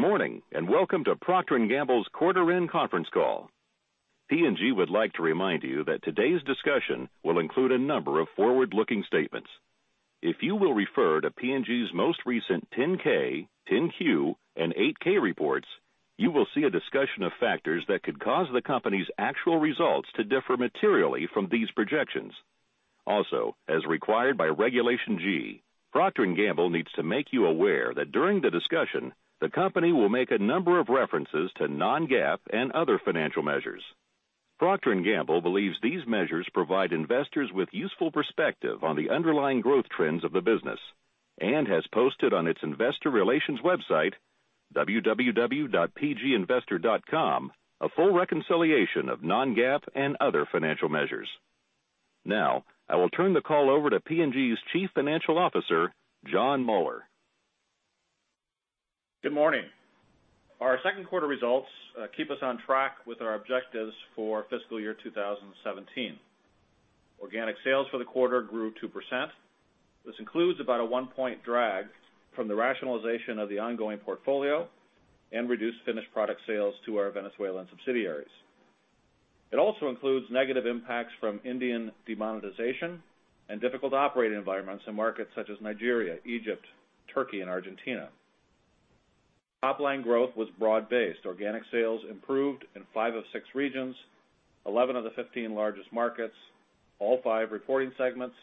Good morning. Welcome to Procter & Gamble's quarter end conference call. P&G would like to remind you that today's discussion will include a number of forward-looking statements. If you will refer to P&G's most recent 10-K, 10-Q, and 8-K reports, you will see a discussion of factors that could cause the company's actual results to differ materially from these projections. As required by Regulation G, Procter & Gamble needs to make you aware that during the discussion, the company will make a number of references to non-GAAP and other financial measures. Procter & Gamble believes these measures provide investors with useful perspective on the underlying growth trends of the business, and has posted on its investor relations website, www.pginvestor.com, a full reconciliation of non-GAAP and other financial measures. I will turn the call over to P&G's Chief Financial Officer, Jon Moeller. Good morning. Our second quarter results keep us on track with our objectives for fiscal year 2017. Organic sales for the quarter grew 2%. This includes about a one-point drag from the rationalization of the ongoing portfolio and reduced finished product sales to our Venezuelan subsidiaries. It also includes negative impacts from Indian demonetization and difficult operating environments in markets such as Nigeria, Egypt, Turkey, and Argentina. Top-line growth was broad-based. Organic sales improved in five of six regions, 11 of the 15 largest markets, all five reporting segments,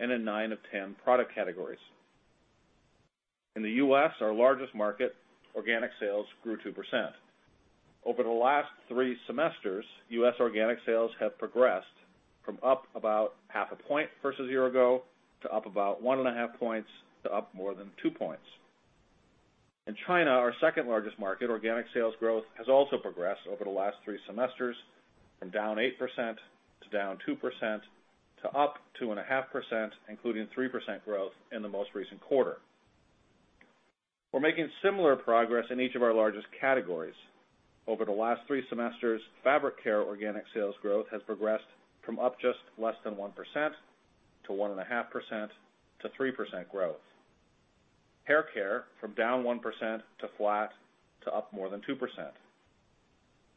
and in nine of 10 product categories. In the U.S., our largest market, organic sales grew 2%. Over the last three semesters, U.S. organic sales have progressed from up about half a point versus a year ago, to up about one and a half points, to up more than two points. In China, our second largest market, organic sales growth has also progressed over the last three semesters, from down 8%, to down 2%, to up 2.5%, including 3% growth in the most recent quarter. We're making similar progress in each of our largest categories. Over the last three semesters, fabric care organic sales growth has progressed from up just less than 1%, to 1.5%, to 3% growth. Hair care from down 1%, to flat, to up more than 2%.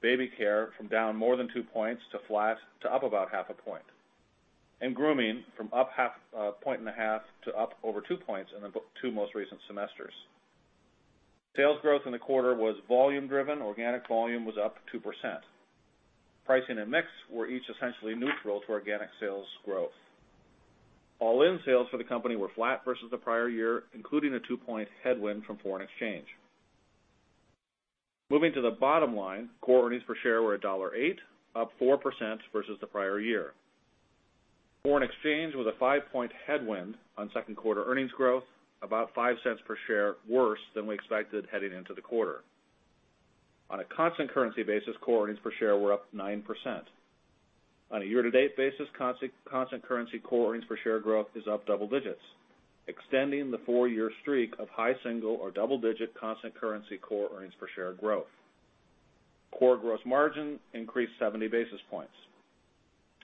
Baby care from down more than two points, to flat, to up about half a point. Grooming from up a point and a half, to up over two points in the two most recent semesters. Sales growth in the quarter was volume driven. Organic volume was up 2%. Pricing and mix were each essentially neutral to organic sales growth. All-in sales for the company were flat versus the prior year, including a two-point headwind from foreign exchange. Moving to the bottom line, core earnings per share were $1.08, up 4% versus the prior year. Foreign exchange was a five-point headwind on second quarter earnings growth, about $0.05 per share worse than we expected heading into the quarter. On a constant currency basis, core earnings per share were up 9%. On a year-to-date basis, constant currency core earnings per share growth is up double digits, extending the four-year streak of high single or double-digit constant currency core earnings per share growth. Core gross margin increased 70 basis points.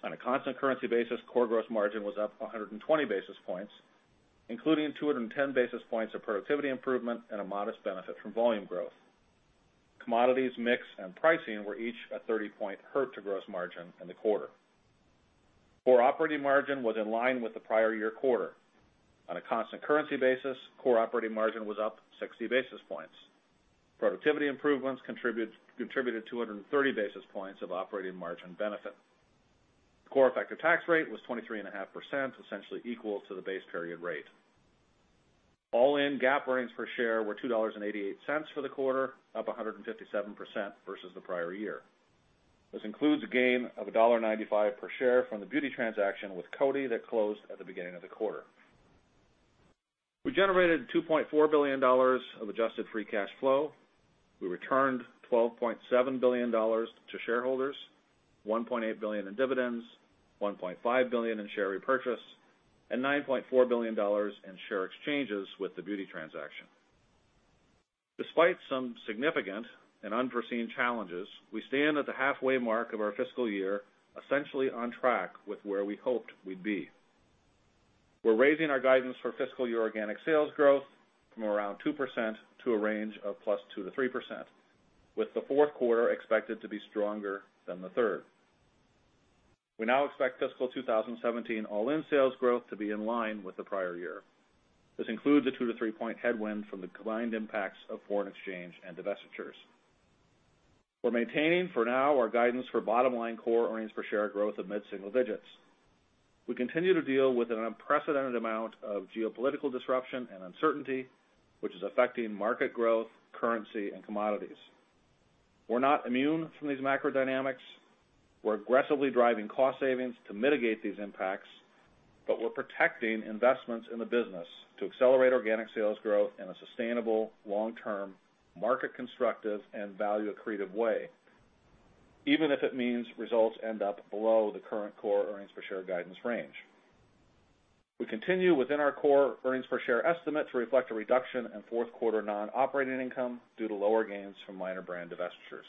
On a constant currency basis, core gross margin was up 120 basis points, including 210 basis points of productivity improvement and a modest benefit from volume growth. Commodities, mix, and pricing were each a 30-point hurt to gross margin in the quarter. Core operating margin was in line with the prior year quarter. On a constant currency basis, core operating margin was up 60 basis points. Productivity improvements contributed 230 basis points of operating margin benefit. The core effective tax rate was 23.5%, essentially equal to the base period rate. All-in GAAP earnings per share were $2.88 for the quarter, up 157% versus the prior year. This includes a gain of $1.95 per share from the beauty transaction with Coty that closed at the beginning of the quarter. We generated $2.4 billion of adjusted free cash flow. We returned $12.7 billion to shareholders, $1.8 billion in dividends, $1.5 billion in share repurchase, and $9.4 billion in share exchanges with the beauty transaction. Despite some significant and unforeseen challenges, we stand at the halfway mark of our fiscal year, essentially on track with where we hoped we'd be. We're raising our guidance for fiscal year organic sales growth from around 2% to a range of +2% to 3%, with the fourth quarter expected to be stronger than the third. We now expect fiscal 2017 all-in sales growth to be in line with the prior year. This includes a two- to three-point headwind from the combined impacts of foreign exchange and divestitures. We're maintaining for now our guidance for bottom-line core earnings per share growth of mid-single digits. We continue to deal with an unprecedented amount of geopolitical disruption and uncertainty, which is affecting market growth, currency, and commodities. We're not immune from these macro dynamics. We're aggressively driving cost savings to mitigate these impacts, but we're protecting investments in the business to accelerate organic sales growth in a sustainable, long-term, market-constructive, and value-accretive way, even if it means results end up below the current core earnings per share guidance range. We continue within our core earnings per share estimate to reflect a reduction in fourth quarter non-operating income due to lower gains from minor brand divestitures.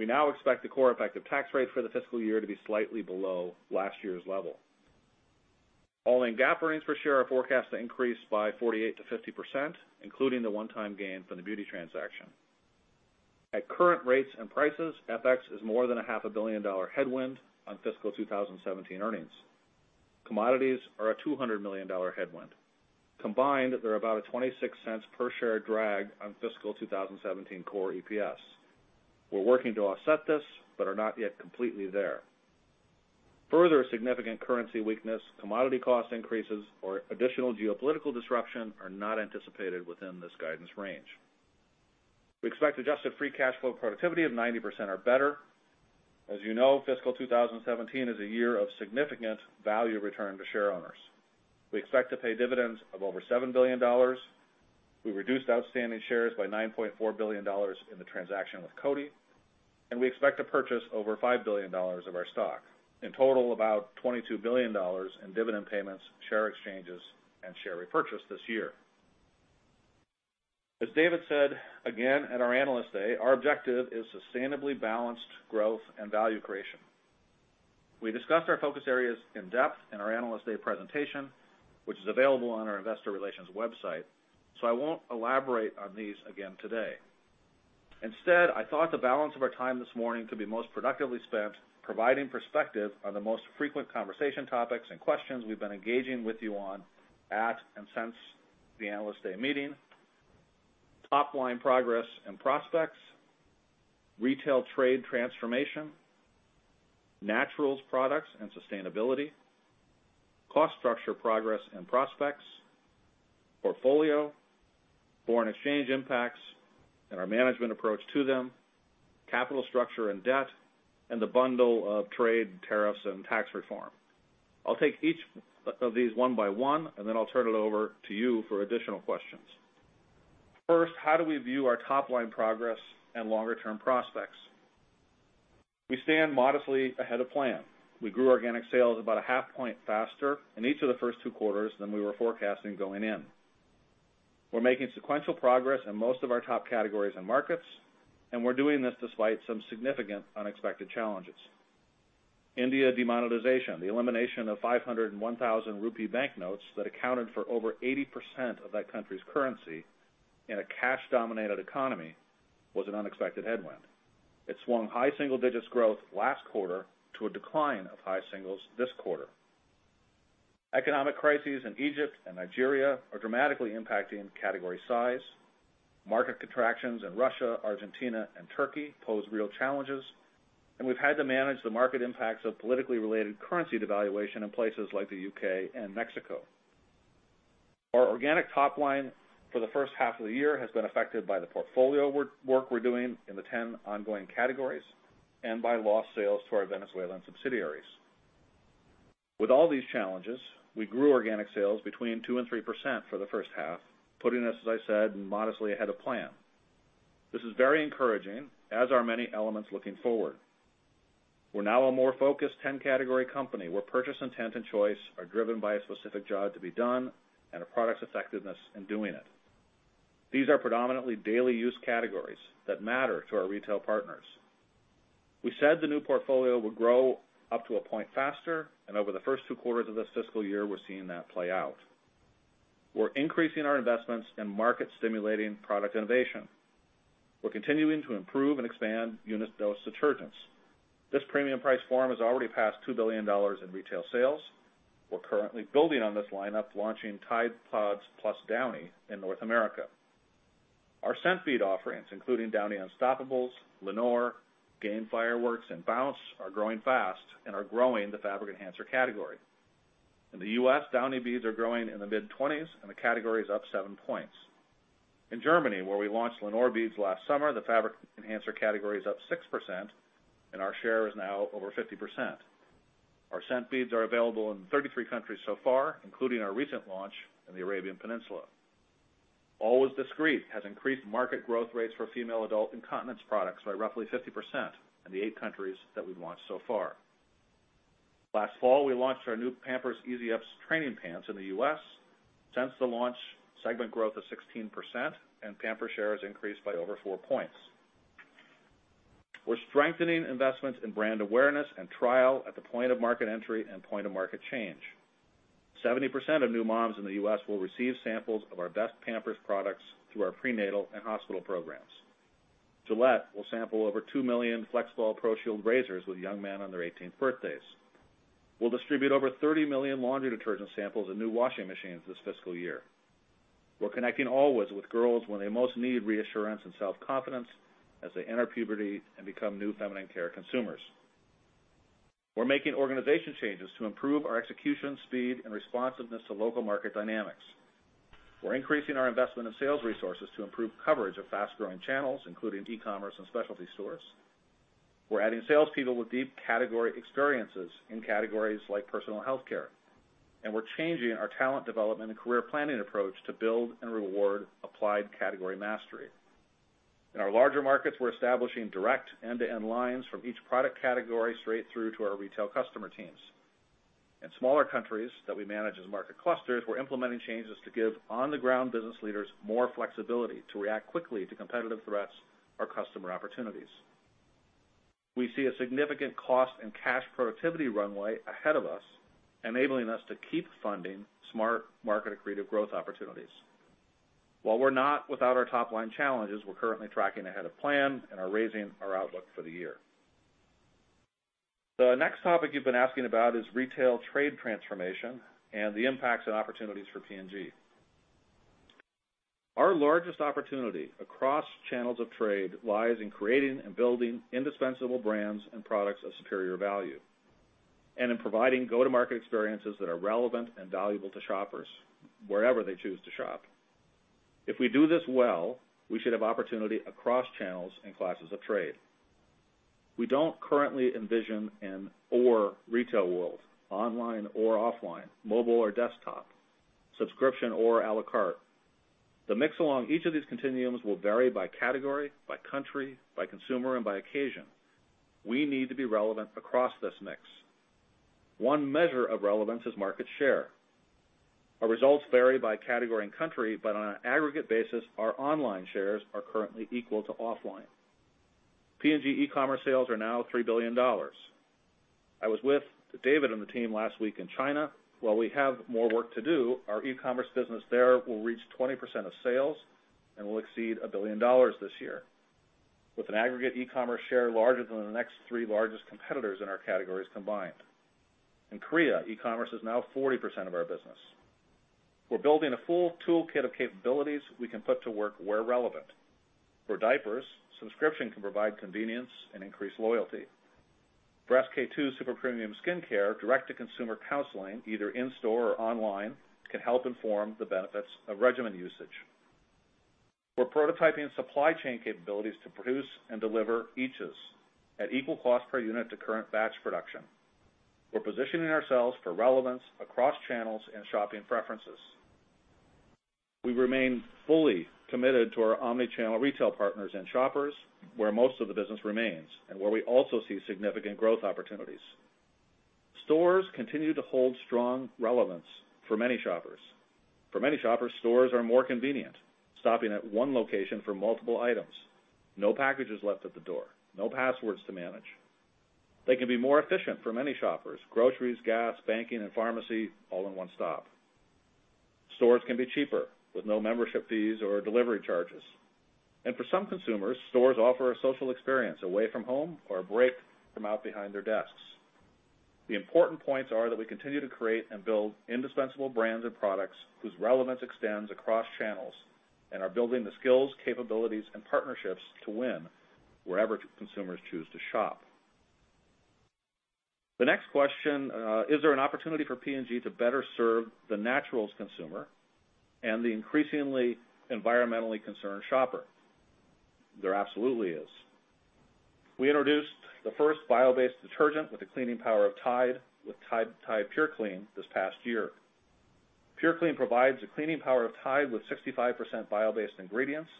We now expect the core effective tax rate for the fiscal year to be slightly below last year's level. All-in GAAP earnings per share are forecast to increase by 48%-50%, including the one-time gain from the Beauty transaction. At current rates and prices, FX is more than a half a billion dollar headwind on fiscal 2017 earnings. Commodities are a $200 million headwind. Combined, they're about a $0.26 per share drag on fiscal 2017 core EPS. We're working to offset this, but are not yet completely there. Further significant currency weakness, commodity cost increases, or additional geopolitical disruption are not anticipated within this guidance range. We expect adjusted free cash flow productivity of 90% or better. As you know, fiscal 2017 is a year of significant value return to shareowners. We expect to pay dividends of over $7 billion. We reduced outstanding shares by $9.4 billion in the transaction with Coty, and we expect to purchase over $5 billion of our stock. In total, about $22 billion in dividend payments, share exchanges, and share repurchase this year. As David said again at our Analyst Day, our objective is sustainably balanced growth and value creation. We discussed our focus areas in depth in our Analyst Day presentation, which is available on our investor relations website, I won't elaborate on these again today. Instead, I thought the balance of our time this morning to be most productively spent providing perspective on the most frequent conversation topics and questions we've been engaging with you on at and since the Analyst Day meeting. Top-line progress and prospects, retail trade transformation, naturals products and sustainability, cost structure progress and prospects, portfolio, foreign exchange impacts and our management approach to them, capital structure and debt, and the bundle of trade, tariffs and tax reform. I will take each of these one by one, then I will turn it over to you for additional questions. First, how do we view our top-line progress and longer-term prospects? We stand modestly ahead of plan. We grew organic sales about a half point faster in each of the first two quarters than we were forecasting going in. We are making sequential progress in most of our top categories and markets, we are doing this despite some significant unexpected challenges. India demonetization, the elimination of 500 and 1,000 rupee banknotes that accounted for over 80% of that country's currency in a cash-dominated economy, was an unexpected headwind. It swung high single digits growth last quarter to a decline of high singles this quarter. Economic crises in Egypt and Nigeria are dramatically impacting category size. Market contractions in Russia, Argentina, and Turkey pose real challenges. We have had to manage the market impacts of politically related currency devaluation in places like the U.K. and Mexico. Our organic top line for the first half of the year has been affected by the portfolio work we are doing in the 10 ongoing categories and by lost sales to our Venezuelan subsidiaries. With all these challenges, we grew organic sales between 2% and 3% for the first half, putting us, as I said, modestly ahead of plan. This is very encouraging, as are many elements looking forward. We are now a more focused 10-category company, where purchase intent and choice are driven by a specific job to be done and a product's effectiveness in doing it. These are predominantly daily use categories that matter to our retail partners. We said the new portfolio would grow up to a point faster, and over the first two quarters of this fiscal year, we are seeing that play out. We are increasing our investments in market-stimulating product innovation. We are continuing to improve and expand unit dose detergents. This premium price form has already passed $2 billion in retail sales. We are currently building on this lineup, launching Tide PODS + Downy in North America. Our scent bead offerings, including Downy Unstoppables, Lenor, Gain Fireworks, and Bounce, are growing fast and are growing the fabric enhancer category. In the U.S., Downy beads are growing in the mid-20s and the category is up seven points. In Germany, where we launched Lenor beads last summer, the fabric enhancer category is up 6% and our share is now over 50%. Our scent beads are available in 33 countries so far, including our recent launch in the Arabian Peninsula. Always Discreet has increased market growth rates for female adult incontinence products by roughly 50% in the eight countries that we have launched so far. Last fall, we launched our new Pampers Easy-Ups training pants in the U.S. Since the launch, segment growth is 16% and Pampers share has increased by over four points. We're strengthening investments in brand awareness and trial at the point of market entry and point of market change. 70% of new moms in the U.S. will receive samples of our best Pampers products through our prenatal and hospital programs. Gillette will sample over 2 million Fusion ProShield razors with young men on their 18th birthdays. We'll distribute over 30 million laundry detergent samples in new washing machines this fiscal year. We're connecting Always with girls when they most need reassurance and self-confidence as they enter puberty and become new feminine care consumers. We're making organization changes to improve our execution speed and responsiveness to local market dynamics. We're increasing our investment in sales resources to improve coverage of fast-growing channels, including e-commerce and specialty stores. We're adding salespeople with deep category experiences in categories like personal healthcare. We're changing our talent development and career planning approach to build and reward applied category mastery. In our larger markets, we're establishing direct end-to-end lines from each product category straight through to our retail customer teams. In smaller countries that we manage as market clusters, we're implementing changes to give on-the-ground business leaders more flexibility to react quickly to competitive threats or customer opportunities. We see a significant cost in cash productivity runway ahead of us, enabling us to keep funding smart market accretive growth opportunities. While we're not without our top-line challenges, we're currently tracking ahead of plan and are raising our outlook for the year. The next topic you've been asking about is retail trade transformation and the impacts and opportunities for P&G. Our largest opportunity across channels of trade lies in creating and building indispensable brands and products of superior value, and in providing go-to-market experiences that are relevant and valuable to shoppers wherever they choose to shop. If we do this well, we should have opportunity across channels and classes of trade. We don't currently envision an or retail world, online or offline, mobile or desktop, subscription or à la carte. The mix along each of these continuums will vary by category, by country, by consumer, and by occasion. We need to be relevant across this mix. One measure of relevance is market share. Our results vary by category and country, but on an aggregate basis, our online shares are currently equal to offline. P&G e-commerce sales are now $3 billion. I was with David and the team last week in China. While we have more work to do, our e-commerce business there will reach 20% of sales and will exceed $1 billion this year, with an aggregate e-commerce share larger than the next three largest competitors in our categories combined. In Korea, e-commerce is now 40% of our business. We're building a full toolkit of capabilities we can put to work where relevant. For diapers, subscription can provide convenience and increase loyalty. For SK-II super premium skincare, direct-to-consumer counseling, either in store or online, can help inform the benefits of regimen usage. We're prototyping supply chain capabilities to produce and deliver units at equal cost per unit to current batch production. We're positioning ourselves for relevance across channels and shopping preferences. We remain fully committed to our omni-channel retail partners and shoppers, where most of the business remains, and where we also see significant growth opportunities. Stores continue to hold strong relevance for many shoppers. For many shoppers, stores are more convenient, stopping at one location for multiple items. No packages left at the door, no passwords to manage. They can be more efficient for many shoppers. Groceries, gas, banking, and pharmacy all in one stop. Stores can be cheaper with no membership fees or delivery charges. For some consumers, stores offer a social experience away from home or a break from out behind their desks. The important points are that we continue to create and build indispensable brands and products whose relevance extends across channels, and are building the skills, capabilities, and partnerships to win wherever consumers choose to shop. The next question, is there an opportunity for P&G to better serve the naturals consumer and the increasingly environmentally concerned shopper? There absolutely is. We introduced the first bio-based detergent with the cleaning power of Tide, with Tide purclean this past year. Tide purclean provides the cleaning power of Tide with 65% bio-based ingredients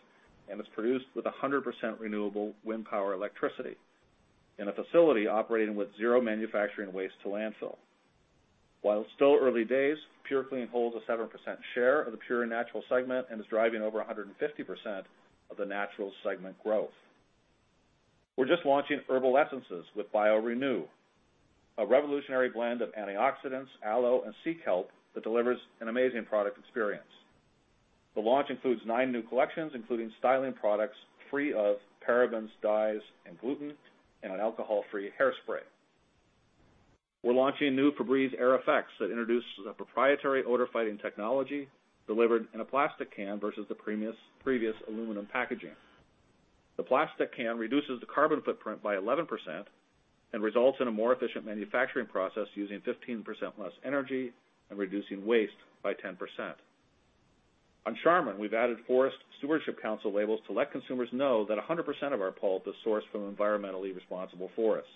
and is produced with 100% renewable wind power electricity in a facility operating with zero manufacturing waste to landfill. While still early days, Tide purclean holds a 7% share of the pure and natural segment and is driving over 150% of the natural segment growth. We're just launching Herbal Essences with bio:renew, a revolutionary blend of antioxidants, aloe, and sea kelp that delivers an amazing product experience. The launch includes nine new collections, including styling products free of parabens, dyes, and gluten, and an alcohol-free hairspray. We're launching new Febreze Air Effects that introduces a proprietary odor-fighting technology delivered in a plastic can versus the previous aluminum packaging. The plastic can reduces the carbon footprint by 11% and results in a more efficient manufacturing process using 15% less energy and reducing waste by 10%. On Charmin, we've added Forest Stewardship Council labels to let consumers know that 100% of our pulp is sourced from environmentally responsible forests.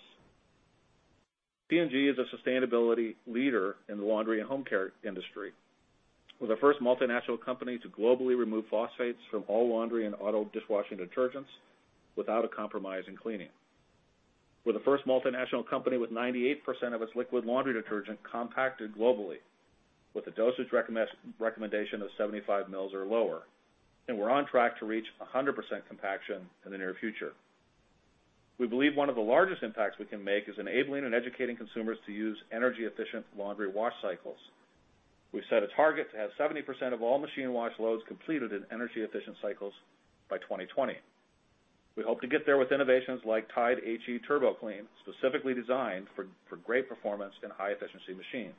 P&G is a sustainability leader in the laundry and home care industry. We're the first multinational company to globally remove phosphates from all laundry and auto dishwashing detergents without a compromise in cleaning. We're the first multinational company with 98% of its liquid laundry detergent compacted globally, with a dosage recommendation of 75 mils or lower. We're on track to reach 100% compaction in the near future. We believe one of the largest impacts we can make is enabling and educating consumers to use energy-efficient laundry wash cycles. We've set a target to have 70% of all machine wash loads completed in energy-efficient cycles by 2020. We hope to get there with innovations like Tide HE Turbo Clean, specifically designed for great performance in high-efficiency machines.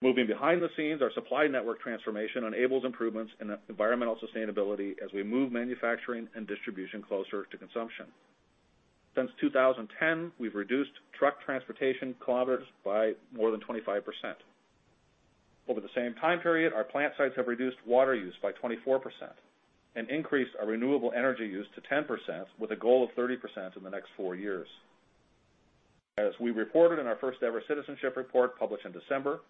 Moving behind the scenes, our supply network transformation enables improvements in environmental sustainability as we move manufacturing and distribution closer to consumption. Since 2010, we've reduced truck transportation kilometers by more than 25%. Over the same time period, our plant sites have reduced water use by 24% and increased our renewable energy use to 10%, with a goal of 30% in the next four years. As we reported in our first-ever citizenship report published in December,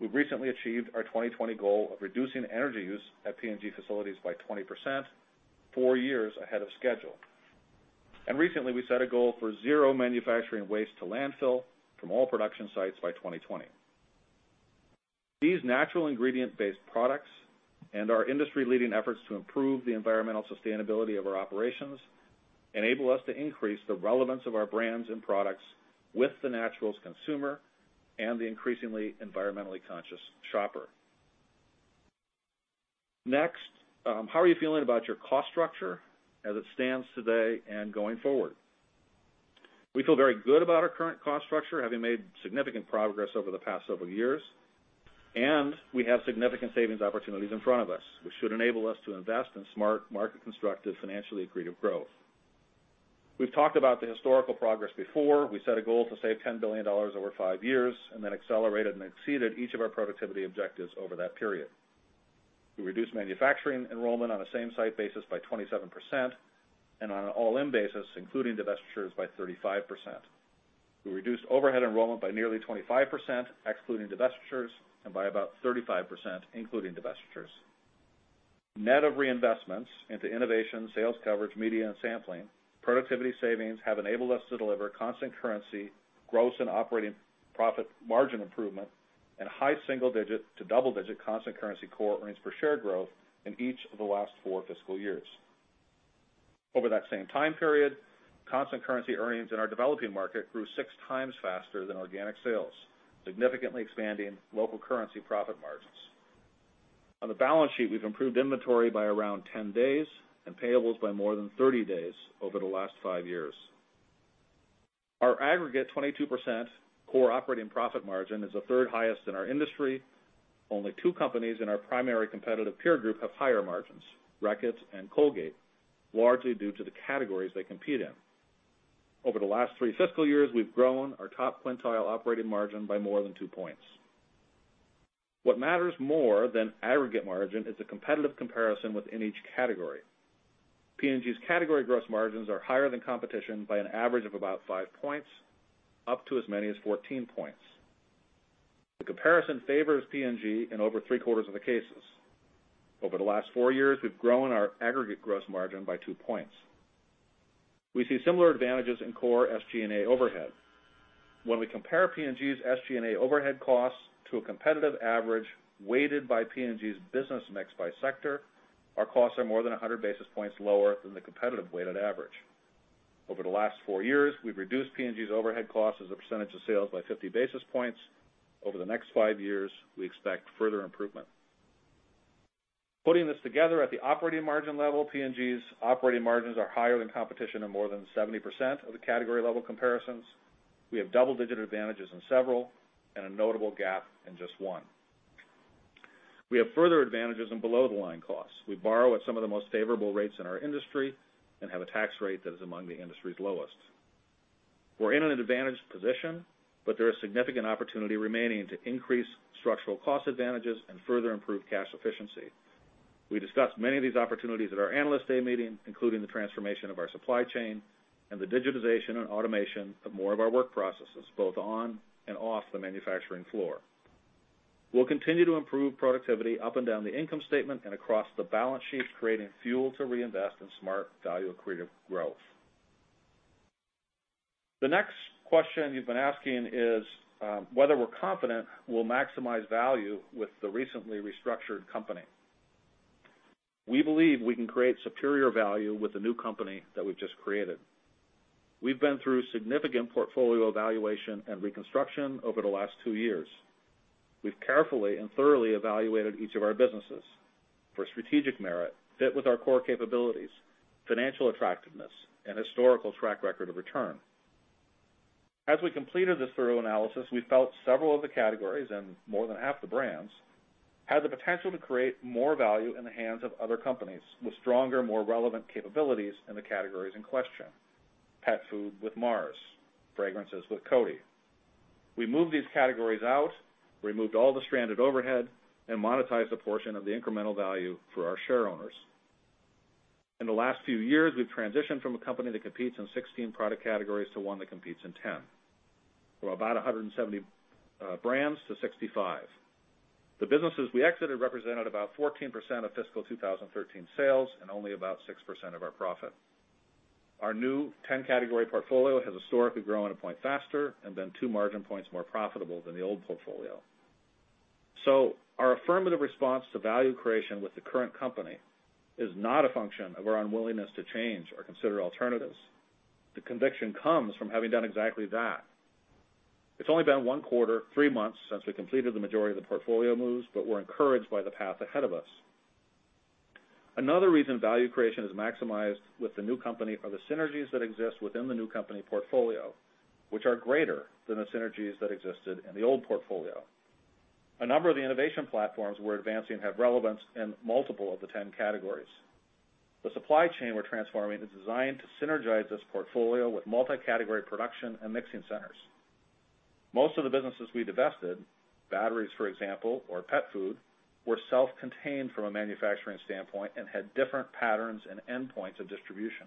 we've recently achieved our 2020 goal of reducing energy use at P&G facilities by 20%, four years ahead of schedule. Recently, we set a goal for zero manufacturing waste to landfill from all production sites by 2020. These natural ingredient-based products and our industry-leading efforts to improve the environmental sustainability of our operations enable us to increase the relevance of our brands and products with the naturals consumer and the increasingly environmentally conscious shopper. Next, how are you feeling about your cost structure as it stands today and going forward? We feel very good about our current cost structure, having made significant progress over the past several years, and we have significant savings opportunities in front of us, which should enable us to invest in smart market constructive, financially accretive growth. We've talked about the historical progress before. We set a goal to save $10 billion over five years and then accelerated and exceeded each of our productivity objectives over that period. We reduced manufacturing enrollment on a same site basis by 27% and on an all-in basis, including divestitures, by 35%. We reduced overhead enrollment by nearly 25%, excluding divestitures, and by about 35%, including divestitures. Net of reinvestments into innovation, sales coverage, media, and sampling, productivity savings have enabled us to deliver constant currency growth and operating profit margin improvement in high single-digit to double-digit constant currency core earnings per share growth in each of the last four fiscal years. Over that same time period, constant currency earnings in our developing market grew six times faster than organic sales, significantly expanding local currency profit margins. On the balance sheet, we've improved inventory by around 10 days and payables by more than 30 days over the last five years. Our aggregate 22% core operating profit margin is the third highest in our industry. Only two companies in our primary competitive peer group have higher margins, Reckitt and Colgate, largely due to the categories they compete in. Over the last three fiscal years, we've grown our top quintile operating margin by more than two points. What matters more than aggregate margin is the competitive comparison within each category. P&G's category gross margins are higher than competition by an average of about five points, up to as many as 14 points. The comparison favors P&G in over three-quarters of the cases. Over the last four years, we've grown our aggregate gross margin by two points. We see similar advantages in core SG&A overhead. When we compare P&G's SG&A overhead costs to a competitive average weighted by P&G's business mix by sector, our costs are more than 100 basis points lower than the competitive weighted average. Over the last four years, we've reduced P&G's overhead costs as a percentage of sales by 50 basis points. Over the next five years, we expect further improvement. Putting this together at the operating margin level, P&G's operating margins are higher than competition in more than 70% of the category level comparisons. We have double-digit advantages in several and a notable gap in just one. We have further advantages in below-the-line costs. We borrow at some of the most favorable rates in our industry and have a tax rate that is among the industry's lowest. We're in an advantaged position, there is significant opportunity remaining to increase structural cost advantages and further improve cash efficiency. We discussed many of these opportunities at our Analyst Day meeting, including the transformation of our supply chain and the digitization and automation of more of our work processes, both on and off the manufacturing floor. We'll continue to improve productivity up and down the income statement and across the balance sheet, creating fuel to reinvest in smart value accretive growth. The next question you've been asking is whether we're confident we'll maximize value with the recently restructured company. We believe we can create superior value with the new company that we've just created. We've been through significant portfolio evaluation and reconstruction over the last two years. We've carefully and thoroughly evaluated each of our businesses for strategic merit, fit with our core capabilities, financial attractiveness, and historical track record of return. As we completed this thorough analysis, we felt several of the categories, and more than half the brands, had the potential to create more value in the hands of other companies with stronger, more relevant capabilities in the categories in question. Pet food with Mars, fragrances with Coty. We moved these categories out, removed all the stranded overhead, and monetized a portion of the incremental value for our share owners. In the last few years, we've transitioned from a company that competes in 16 product categories to one that competes in 10. From about 170 brands to 65. The businesses we exited represented about 14% of fiscal 2013 sales and only about 6% of our profit. Our new 10-category portfolio has historically grown a point faster and been two margin points more profitable than the old portfolio. Our affirmative response to value creation with the current company is not a function of our unwillingness to change or consider alternatives. The conviction comes from having done exactly that. It's only been one quarter, three months, since we completed the majority of the portfolio moves, but we're encouraged by the path ahead of us. Another reason value creation is maximized with the new company are the synergies that exist within the new company portfolio, which are greater than the synergies that existed in the old portfolio. A number of the innovation platforms we're advancing have relevance in multiple of the 10 categories. The supply chain we're transforming is designed to synergize this portfolio with multi-category production and mixing centers. Most of the businesses we divested, batteries, for example, or pet food, were self-contained from a manufacturing standpoint and had different patterns and endpoints of distribution.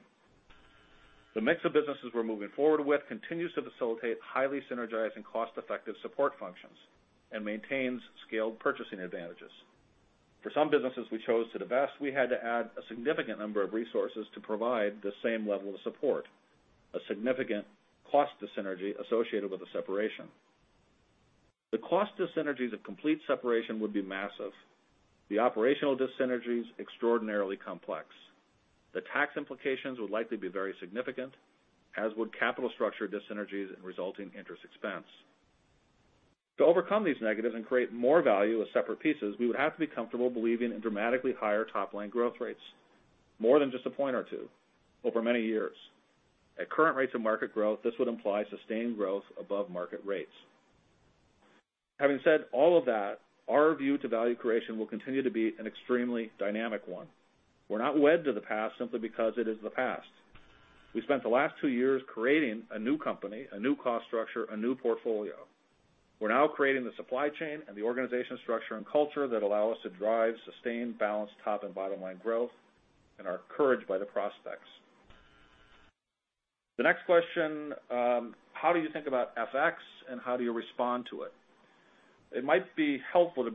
The mix of businesses we're moving forward with continues to facilitate highly synergized and cost-effective support functions and maintains scaled purchasing advantages. For some businesses we chose to divest, we had to add a significant number of resources to provide the same level of support, a significant cost dyssynergy associated with the separation. The cost dyssynergies of complete separation would be massive. The operational dyssynergies, extraordinarily complex. The tax implications would likely be very significant, as would capital structure dyssynergies and resulting interest expense. To overcome these negatives and create more value as separate pieces, we would have to be comfortable believing in dramatically higher top-line growth rates, more than just a point or two over many years. At current rates of market growth, this would imply sustained growth above market rates. Having said all of that, our view to value creation will continue to be an extremely dynamic one. We're not wed to the past simply because it is the past. We spent the last two years creating a new company, a new cost structure, a new portfolio. We're now creating the supply chain and the organizational structure and culture that allow us to drive sustained, balanced top and bottom line growth, and are encouraged by the prospects. The next question, how do you think about FX and how do you respond to it? It might be helpful to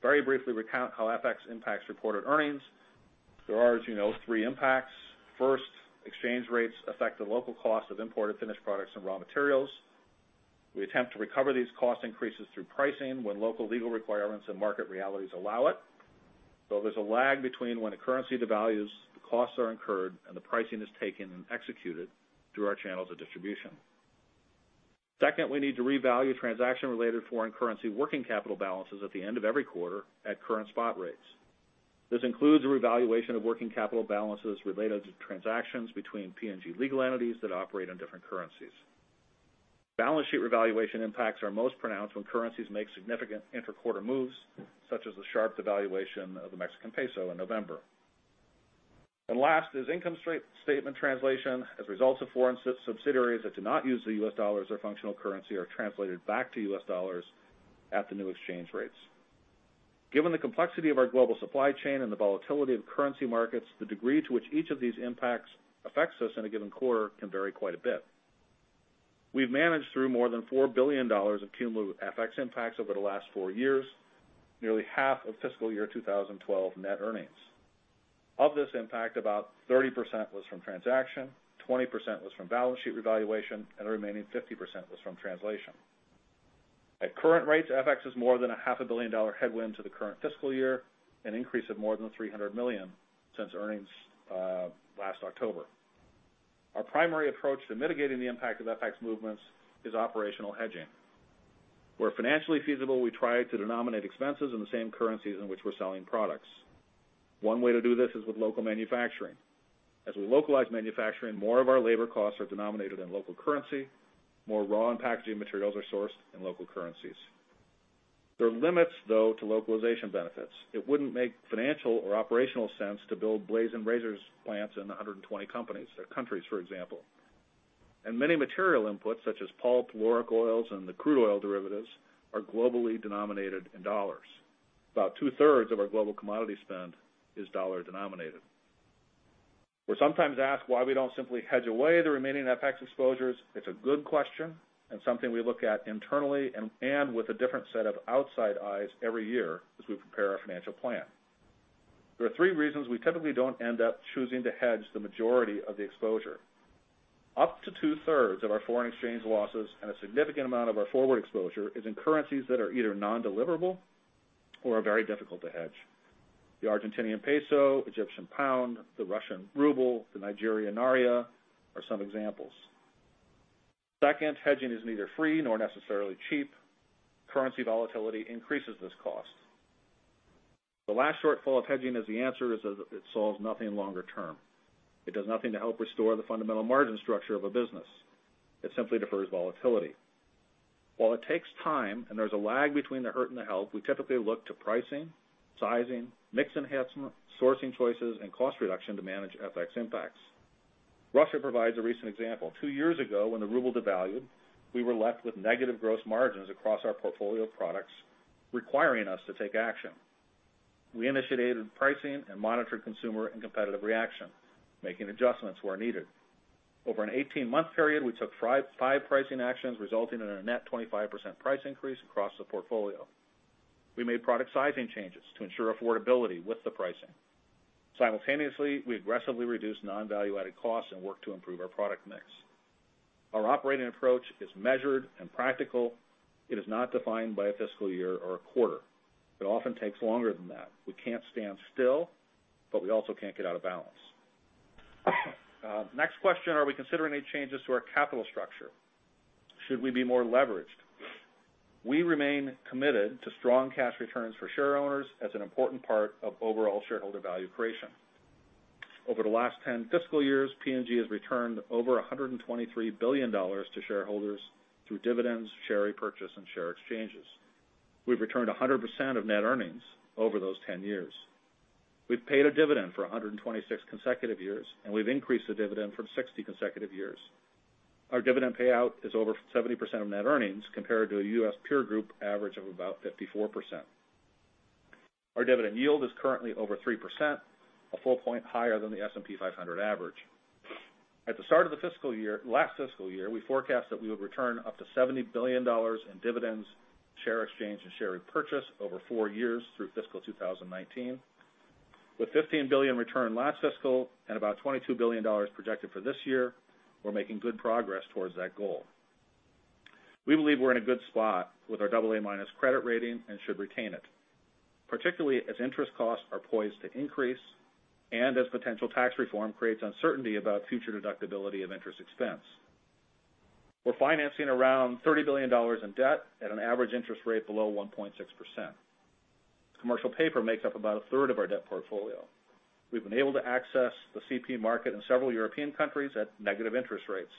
very briefly recount how FX impacts reported earnings. There are three impacts. First, exchange rates affect the local cost of imported finished products and raw materials. We attempt to recover these cost increases through pricing when local legal requirements and market realities allow it. There's a lag between when a currency devalues, the costs are incurred, and the pricing is taken and executed through our channels of distribution. Secondly, we need to revalue transaction-related foreign currency working capital balances at the end of every quarter at current spot rates. This includes a revaluation of working capital balances related to transactions between P&G legal entities that operate in different currencies. Balance sheet revaluation impacts are most pronounced when currencies make significant intra-quarter moves, such as the sharp devaluation of the Mexican peso in November. Last is income statement translation as results of foreign subsidiaries that do not use the U.S. dollar as their functional currency are translated back to U.S. dollars at the new exchange rates. Given the complexity of our global supply chain and the volatility of currency markets, the degree to which each of these impacts affects us in a given quarter can vary quite a bit. We've managed through more than $4 billion of cumulative FX impacts over the last four years, nearly half of fiscal year 2012 net earnings. Of this impact, about 30% was from transaction, 20% was from balance sheet revaluation, and the remaining 50% was from translation. At current rates, FX is more than a half a billion dollar headwind to the current fiscal year, an increase of more than $300 million since earnings last October. Our primary approach to mitigating the impact of FX movements is operational hedging. Where financially feasible, we try to denominate expenses in the same currencies in which we're selling products. One way to do this is with local manufacturing. As we localize manufacturing, more of our labor costs are denominated in local currency, more raw and packaging materials are sourced in local currencies. There are limits, though, to localization benefits. It wouldn't make financial or operational sense to build blades and razors plants in 120 countries, for example. Many material inputs, such as pulp, lauric oils, and the crude oil derivatives, are globally denominated in U.S. dollars. About two-thirds of our global commodity spend is U.S. dollar-denominated. We're sometimes asked why we don't simply hedge away the remaining FX exposures. It's a good question and something we look at internally and with a different set of outside eyes every year as we prepare our financial plan. There are three reasons we typically don't end up choosing to hedge the majority of the exposure. Up to two-thirds of our foreign exchange losses and a significant amount of our forward exposure is in currencies that are either non-deliverable or are very difficult to hedge. The Argentinian peso, Egyptian pound, the Russian ruble, the Nigerian naira, are some examples. Second, hedging is neither free nor necessarily cheap. Currency volatility increases this cost. The last shortfall of hedging as the answer is that it solves nothing longer term. It does nothing to help restore the fundamental margin structure of a business. It simply defers volatility. While it takes time and there's a lag between the hurt and the help, we typically look to pricing, sizing, mix enhancement, sourcing choices, and cost reduction to manage FX impacts. Russia provides a recent example. Two years ago, when the ruble devalued, we were left with negative gross margins across our portfolio of products, requiring us to take action. We initiated pricing and monitored consumer and competitive reaction, making adjustments where needed. Over an 18-month period, we took five pricing actions, resulting in a net 25% price increase across the portfolio. We made product sizing changes to ensure affordability with the pricing. Simultaneously, we aggressively reduced non-value-added costs and worked to improve our product mix. Our operating approach is measured and practical. It is not defined by a fiscal year or a quarter. It often takes longer than that. We can't stand still, but we also can't get out of balance. Next question, are we considering any changes to our capital structure? Should we be more leveraged? We remain committed to strong cash returns for shareowners as an important part of overall shareholder value creation. Over the last 10 fiscal years, P&G has returned over $123 billion to shareholders through dividends, share repurchase, and share exchanges. We've returned 100% of net earnings over those 10 years. We've paid a dividend for 126 consecutive years, and we've increased the dividend for 60 consecutive years. Our dividend payout is over 70% of net earnings, compared to a U.S. peer group average of about 54%. Our dividend yield is currently over 3%, a full point higher than the S&P 500 average. At the start of the last fiscal year, we forecast that we would return up to $70 billion in dividends, share exchange, and share repurchase over four years through fiscal 2019. With $15 billion returned last fiscal and about $22 billion projected for this year, we're making good progress towards that goal. We believe we're in a good spot with our AA- credit rating and should retain it, particularly as interest costs are poised to increase and as potential tax reform creates uncertainty about future deductibility of interest expense. We're financing around $30 billion in debt at an average interest rate below 1.6%. Commercial paper makes up about a third of our debt portfolio. We've been able to access the CP market in several European countries at negative interest rates.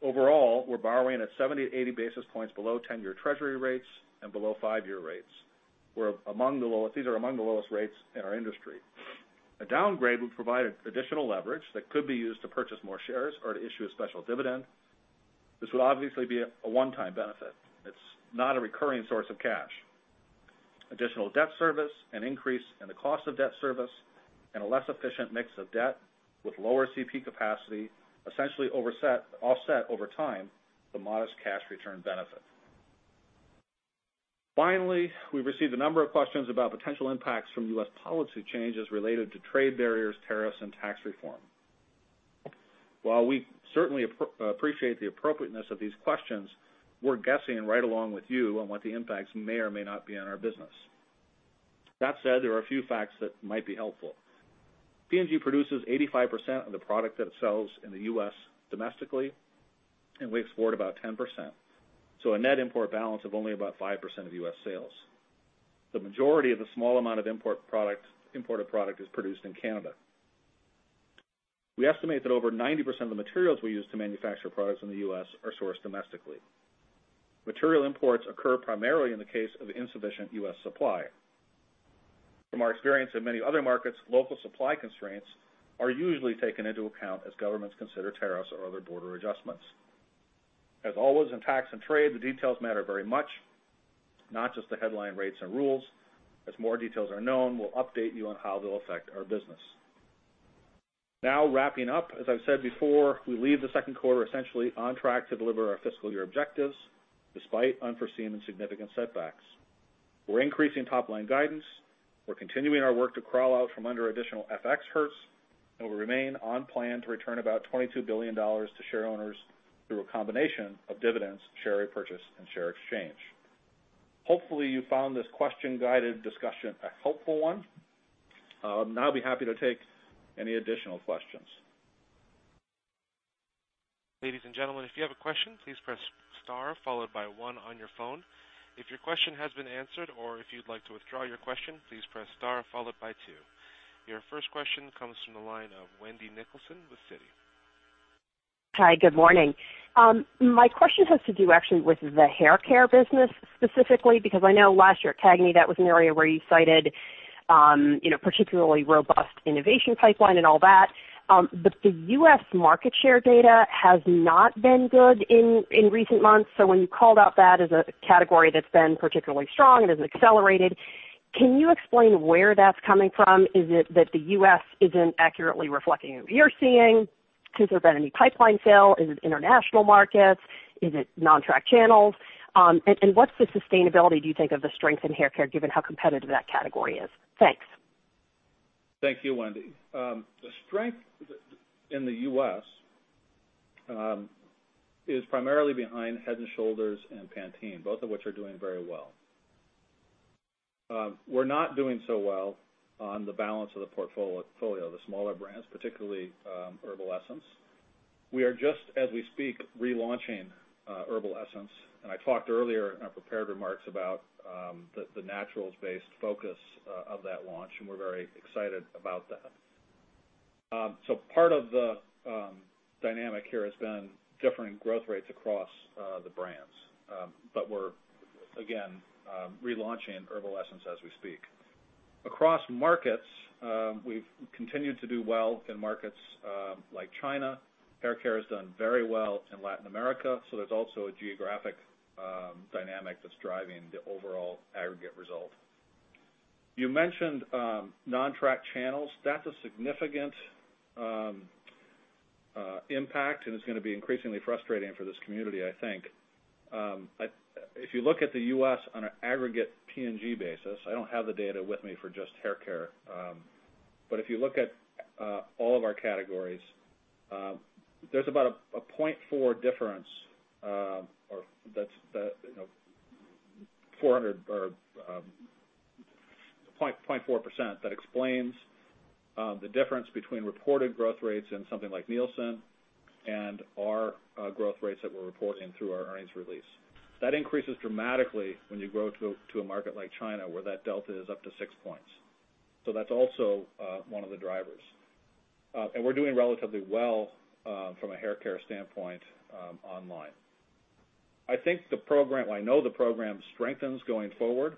Overall, we're borrowing at 70 to 80 basis points below 10-year treasury rates and below five-year rates. These are among the lowest rates in our industry. A downgrade would provide additional leverage that could be used to purchase more shares or to issue a special dividend. This would obviously be a one-time benefit. It's not a recurring source of cash. Additional debt service, an increase in the cost of debt service, and a less efficient mix of debt with lower CP capacity essentially offset over time the modest cash return benefit. Finally, we've received a number of questions about potential impacts from U.S. policy changes related to trade barriers, tariffs, and tax reform. While we certainly appreciate the appropriateness of these questions, we're guessing right along with you on what the impacts may or may not be on our business. That said, there are a few facts that might be helpful. P&G produces 85% of the product that it sells in the U.S. domestically, and we export about 10%. A net import balance of only about 5% of U.S. sales. The majority of the small amount of imported product is produced in Canada. We estimate that over 90% of the materials we use to manufacture products in the U.S. are sourced domestically. Material imports occur primarily in the case of insufficient U.S. supply. From our experience in many other markets, local supply constraints are usually taken into account as governments consider tariffs or other border adjustments. As always, in tax and trade, the details matter very much, not just the headline rates and rules. As more details are known, we'll update you on how they'll affect our business. Wrapping up, as I've said before, we leave the second quarter essentially on track to deliver our fiscal year objectives, despite unforeseen and significant setbacks. We're increasing top-line guidance, we're continuing our work to crawl out from under additional FX hurts, and we remain on plan to return about $22 billion to share owners through a combination of dividends, share repurchase, and share exchange. Hopefully you found this question-guided discussion a helpful one. I'll be happy to take any additional questions. Ladies and gentlemen, if you have a question, please press star followed by one on your phone. If your question has been answered or if you'd like to withdraw your question, please press star followed by two. Your first question comes from the line of Wendy Nicholson with Citi. Hi, good morning. My question has to do actually with the hair care business specifically, because I know last year at CAGNY, that was an area where you cited particularly robust innovation pipeline and all that. The U.S. market share data has not been good in recent months. When you called out that as a category that's been particularly strong and has accelerated, can you explain where that's coming from? Is it that the U.S. isn't accurately reflecting what you're seeing? Has there been any pipeline fail? Is it international markets? Is it non-track channels? What's the sustainability, do you think, of the strength in hair care, given how competitive that category is? Thanks. Thank you, Wendy. The strength in the U.S. is primarily behind Head & Shoulders and Pantene, both of which are doing very well. We're not doing so well on the balance of the portfolio, the smaller brands, particularly Herbal Essences. We are, just as we speak, relaunching Herbal Essences, and I talked earlier in our prepared remarks about the naturals-based focus of that launch, and we're very excited about that. Part of the dynamic here has been differing growth rates across the brands. We're, again, relaunching Herbal Essences as we speak. Across markets, we've continued to do well in markets like China. Hair care has done very well in Latin America, there's also a geographic dynamic that's driving the overall aggregate result. You mentioned non-track channels. That's a significant impact, and it's going to be increasingly frustrating for this community, I think. If you look at the U.S. on an aggregate P&G basis, I don't have the data with me for just hair care. If you look at all of our categories, there's about a 0.4 difference, or 0.4% that explains the difference between reported growth rates in something like Nielsen and our growth rates that we're reporting through our earnings release. That increases dramatically when you go to a market like China, where that delta is up to six points. That's also one of the drivers. We're doing relatively well from a hair care standpoint online. I know the program strengthens going forward.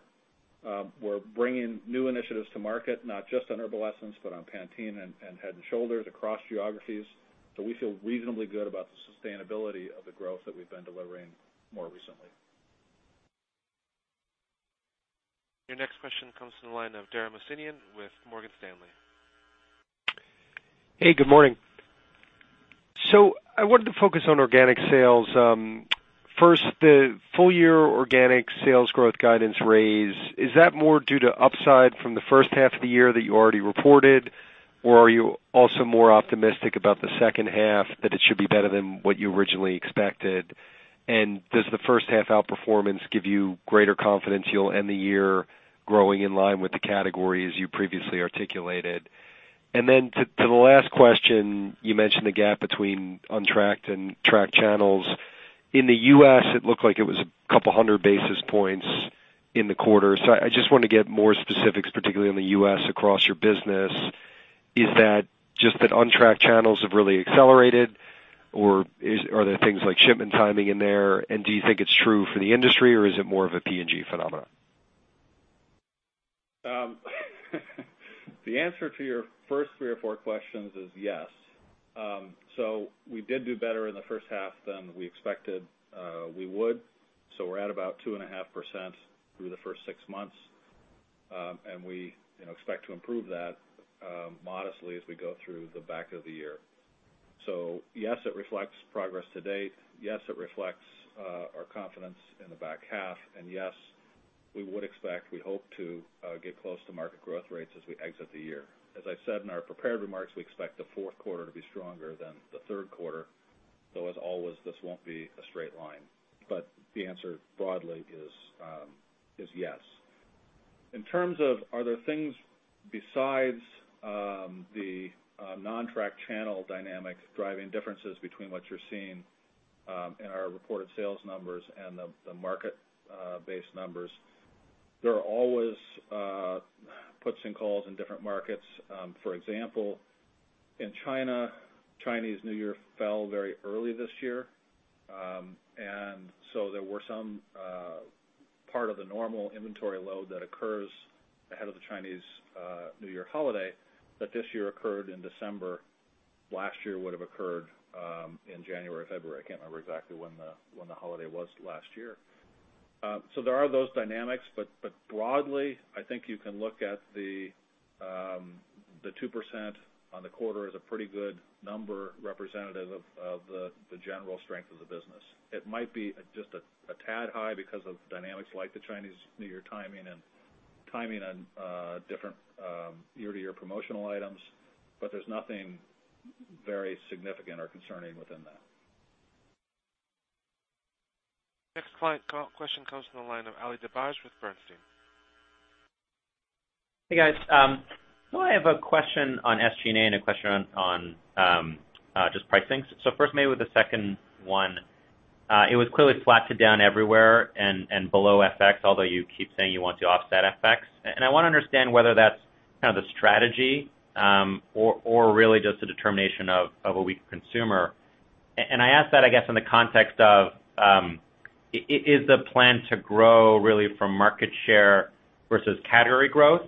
We're bringing new initiatives to market, not just on Herbal Essences, but on Pantene and Head & Shoulders across geographies. We feel reasonably good about the sustainability of the growth that we've been delivering more recently. Your next question comes from the line of Dara Mohsenian with Morgan Stanley. Hey, good morning. I wanted to focus on organic sales. First, the full-year organic sales growth guidance raise. Is that more due to upside from the first half of the year that you already reported, or are you also more optimistic about the second half that it should be better than what you originally expected? Does the first half outperformance give you greater confidence you'll end the year growing in line with the category as you previously articulated? Then to the last question, you mentioned the gap between untracked and tracked channels. In the U.S., it looked like it was a couple of 100 basis points in the quarter. I just want to get more specifics, particularly in the U.S. across your business. Is that just that untracked channels have really accelerated, or are there things like shipment timing in there? Do you think it's true for the industry or is it more of a P&G phenomenon? The answer to your first three or four questions is yes. We did do better in the first half than we expected we would. We're at about 2.5% through the first six months. We expect to improve that modestly as we go through the back of the year. Yes, it reflects progress to date. Yes, it reflects our confidence in the back half. Yes, we would expect, we hope to get close to market growth rates as we exit the year. As I said in our prepared remarks, we expect the fourth quarter to be stronger than the third quarter, though as always, this won't be a straight line. The answer broadly is yes. In terms of other things besides the non-track channel dynamics driving differences between what you're seeing in our reported sales numbers and the market-based numbers, there are always puts and calls in different markets. For example, in China, Chinese New Year fell very early this year. There were some part of the normal inventory load that occurs ahead of the Chinese New Year holiday that this year occurred in December, last year would have occurred in January or February. I can't remember exactly when the holiday was last year. There are those dynamics, broadly, I think you can look at the 2% on the quarter as a pretty good number representative of the general strength of the business. It might be just a tad high because of dynamics like the Chinese New Year timing and timing on different year-to-year promotional items. There's nothing very significant or concerning within that. Next client question comes from the line of Ali Dibadj with Bernstein. Hey, guys. I have a question on SG&A and a question on just pricing. First, maybe with the second one. It was clearly flatted down everywhere and below FX, although you keep saying you want to offset FX. I want to understand whether that's the strategy or really just a determination of a weak consumer. I ask that, I guess, in the context of, is the plan to grow really from market share versus category growth?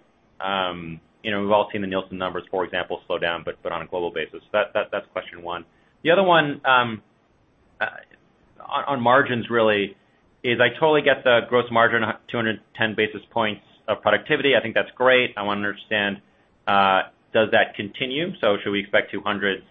We've all seen the Nielsen numbers, for example, slow down, but on a global basis. That's question one. The other one, on margins really, is I totally get the gross margin, 210 basis points of productivity. I think that's great. I want to understand, does that continue? Should we expect 200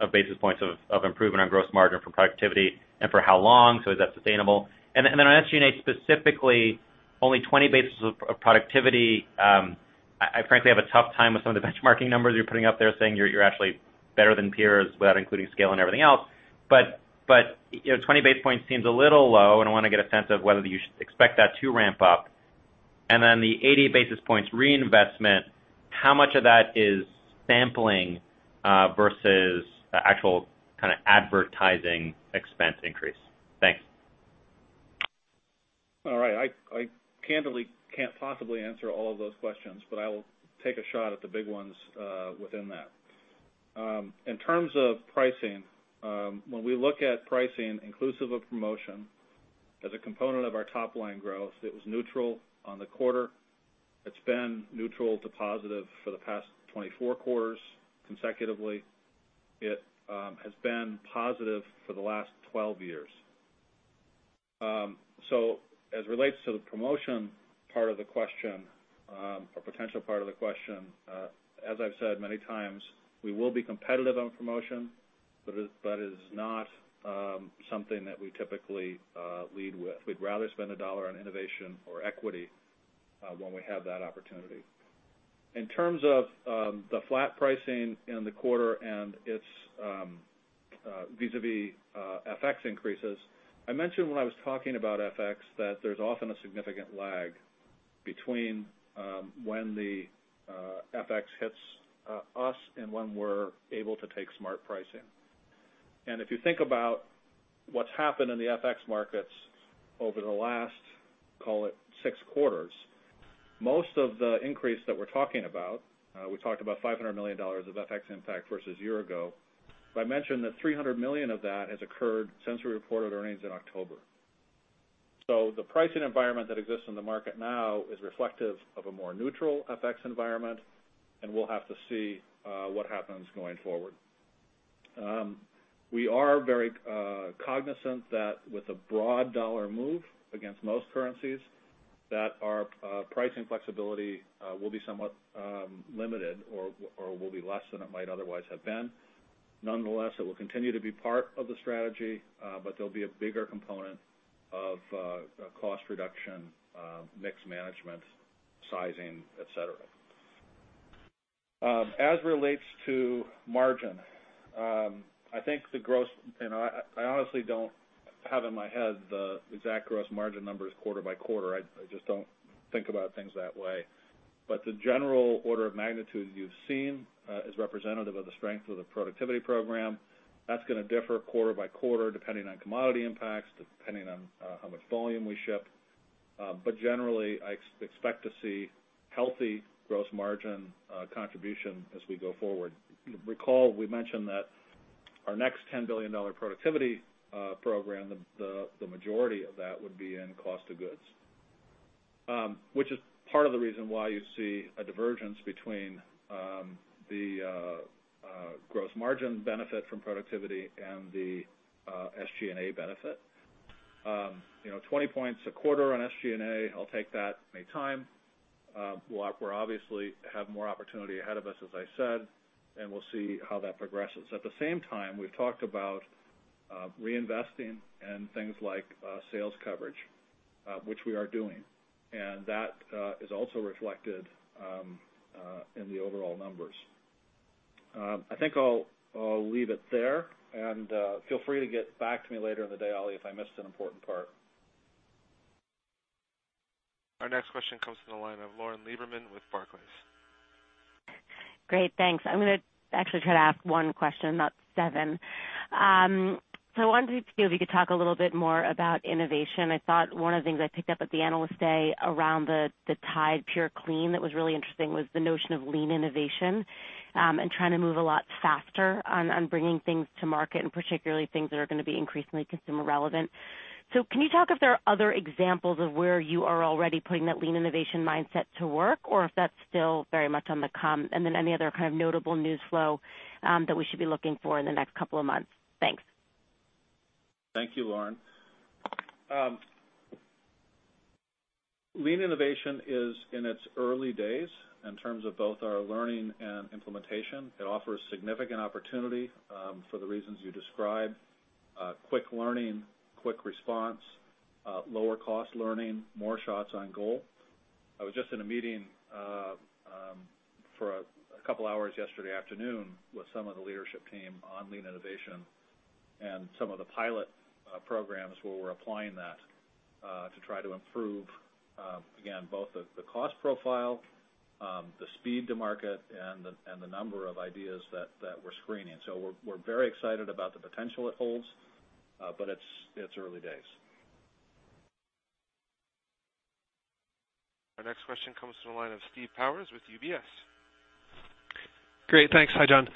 of basis points of improvement on gross margin for productivity, and for how long? Is that sustainable? On SG&A specifically, only 20 basis points of productivity. I frankly have a tough time with some of the benchmarking numbers you're putting up there saying you're actually better than peers without including scale and everything else. 20 basis points seems a little low, I want to get a sense of whether you should expect that to ramp up. The 80 basis points reinvestment, how much of that is sampling versus actual advertising expense increase? Thanks. All right. I candidly can't possibly answer all of those questions, I will take a shot at the big ones within that. In terms of pricing, when we look at pricing inclusive of promotion as a component of our top-line growth, it was neutral on the quarter. It's been neutral to positive for the past 24 quarters consecutively. It has been positive for the last 12 years. As it relates to the promotion part of the question, or potential part of the question, as I've said many times, we will be competitive on promotion, that is not something that we typically lead with. We'd rather spend $1 on innovation or equity when we have that opportunity. In terms of the flat pricing in the quarter and its vis-a-vis FX increases, I mentioned when I was talking about FX that there's often a significant lag between when the FX hits us and when we're able to take smart pricing. If you think about what's happened in the FX markets over the last, call it six quarters, most of the increase that we're talking about, we talked about $500 million of FX impact versus a year ago. I mentioned that $300 million of that has occurred since we reported earnings in October. The pricing environment that exists in the market now is reflective of a more neutral FX environment, and we'll have to see what happens going forward. We are very cognizant that with a broad dollar move against most currencies, that our pricing flexibility will be somewhat limited or will be less than it might otherwise have been. Nonetheless, it will continue to be part of the strategy, there'll be a bigger component of cost reduction, mix management, sizing, et cetera. As relates to margin, I honestly don't have in my head the exact gross margin numbers quarter by quarter. I just don't think about things that way. The general order of magnitude you've seen is representative of the strength of the productivity program. That's going to differ quarter by quarter, depending on commodity impacts, depending on how much volume we ship. Generally, I expect to see healthy gross margin contribution as we go forward. Recall, we mentioned that our next $10 billion productivity program, the majority of that would be in cost of goods, which is part of the reason why you see a divergence between the gross margin benefit from productivity and the SG&A benefit. 20 points a quarter on SG&A, I'll take that any time. We obviously have more opportunity ahead of us, as I said, and we'll see how that progresses. At the same time, we've talked about reinvesting in things like sales coverage, which we are doing, and that is also reflected in the overall numbers. I think I'll leave it there and feel free to get back to me later in the day, Ali, if I missed an important part. Our next question comes from the line of Lauren Lieberman with Barclays. Great, thanks. I'm going to actually try to ask one question, not seven. I wondered if you could talk a little bit more about innovation. I thought one of the things I picked up at the Analyst Day around the Tide purclean that was really interesting was the notion of lean innovation and trying to move a lot faster on bringing things to market, and particularly things that are going to be increasingly consumer relevant. Can you talk if there are other examples of where you are already putting that lean innovation mindset to work, or if that's still very much to come? Any other notable news flow that we should be looking for in the next couple of months? Thanks. Thank you, Lauren. Lean innovation is in its early days in terms of both our learning and implementation. It offers significant opportunity for the reasons you described: quick learning, quick response, lower cost learning, more shots on goal. I was just in a meeting for a couple of hours yesterday afternoon with some of the leadership team on lean innovation and some of the pilot programs where we're applying that to try to improve, again, both the cost profile, the speed to market, and the number of ideas that we're screening. We're very excited about the potential it holds, but it's early days. Our next question comes from the line of Steve Powers with UBS. Great, thanks. Hi, Jon.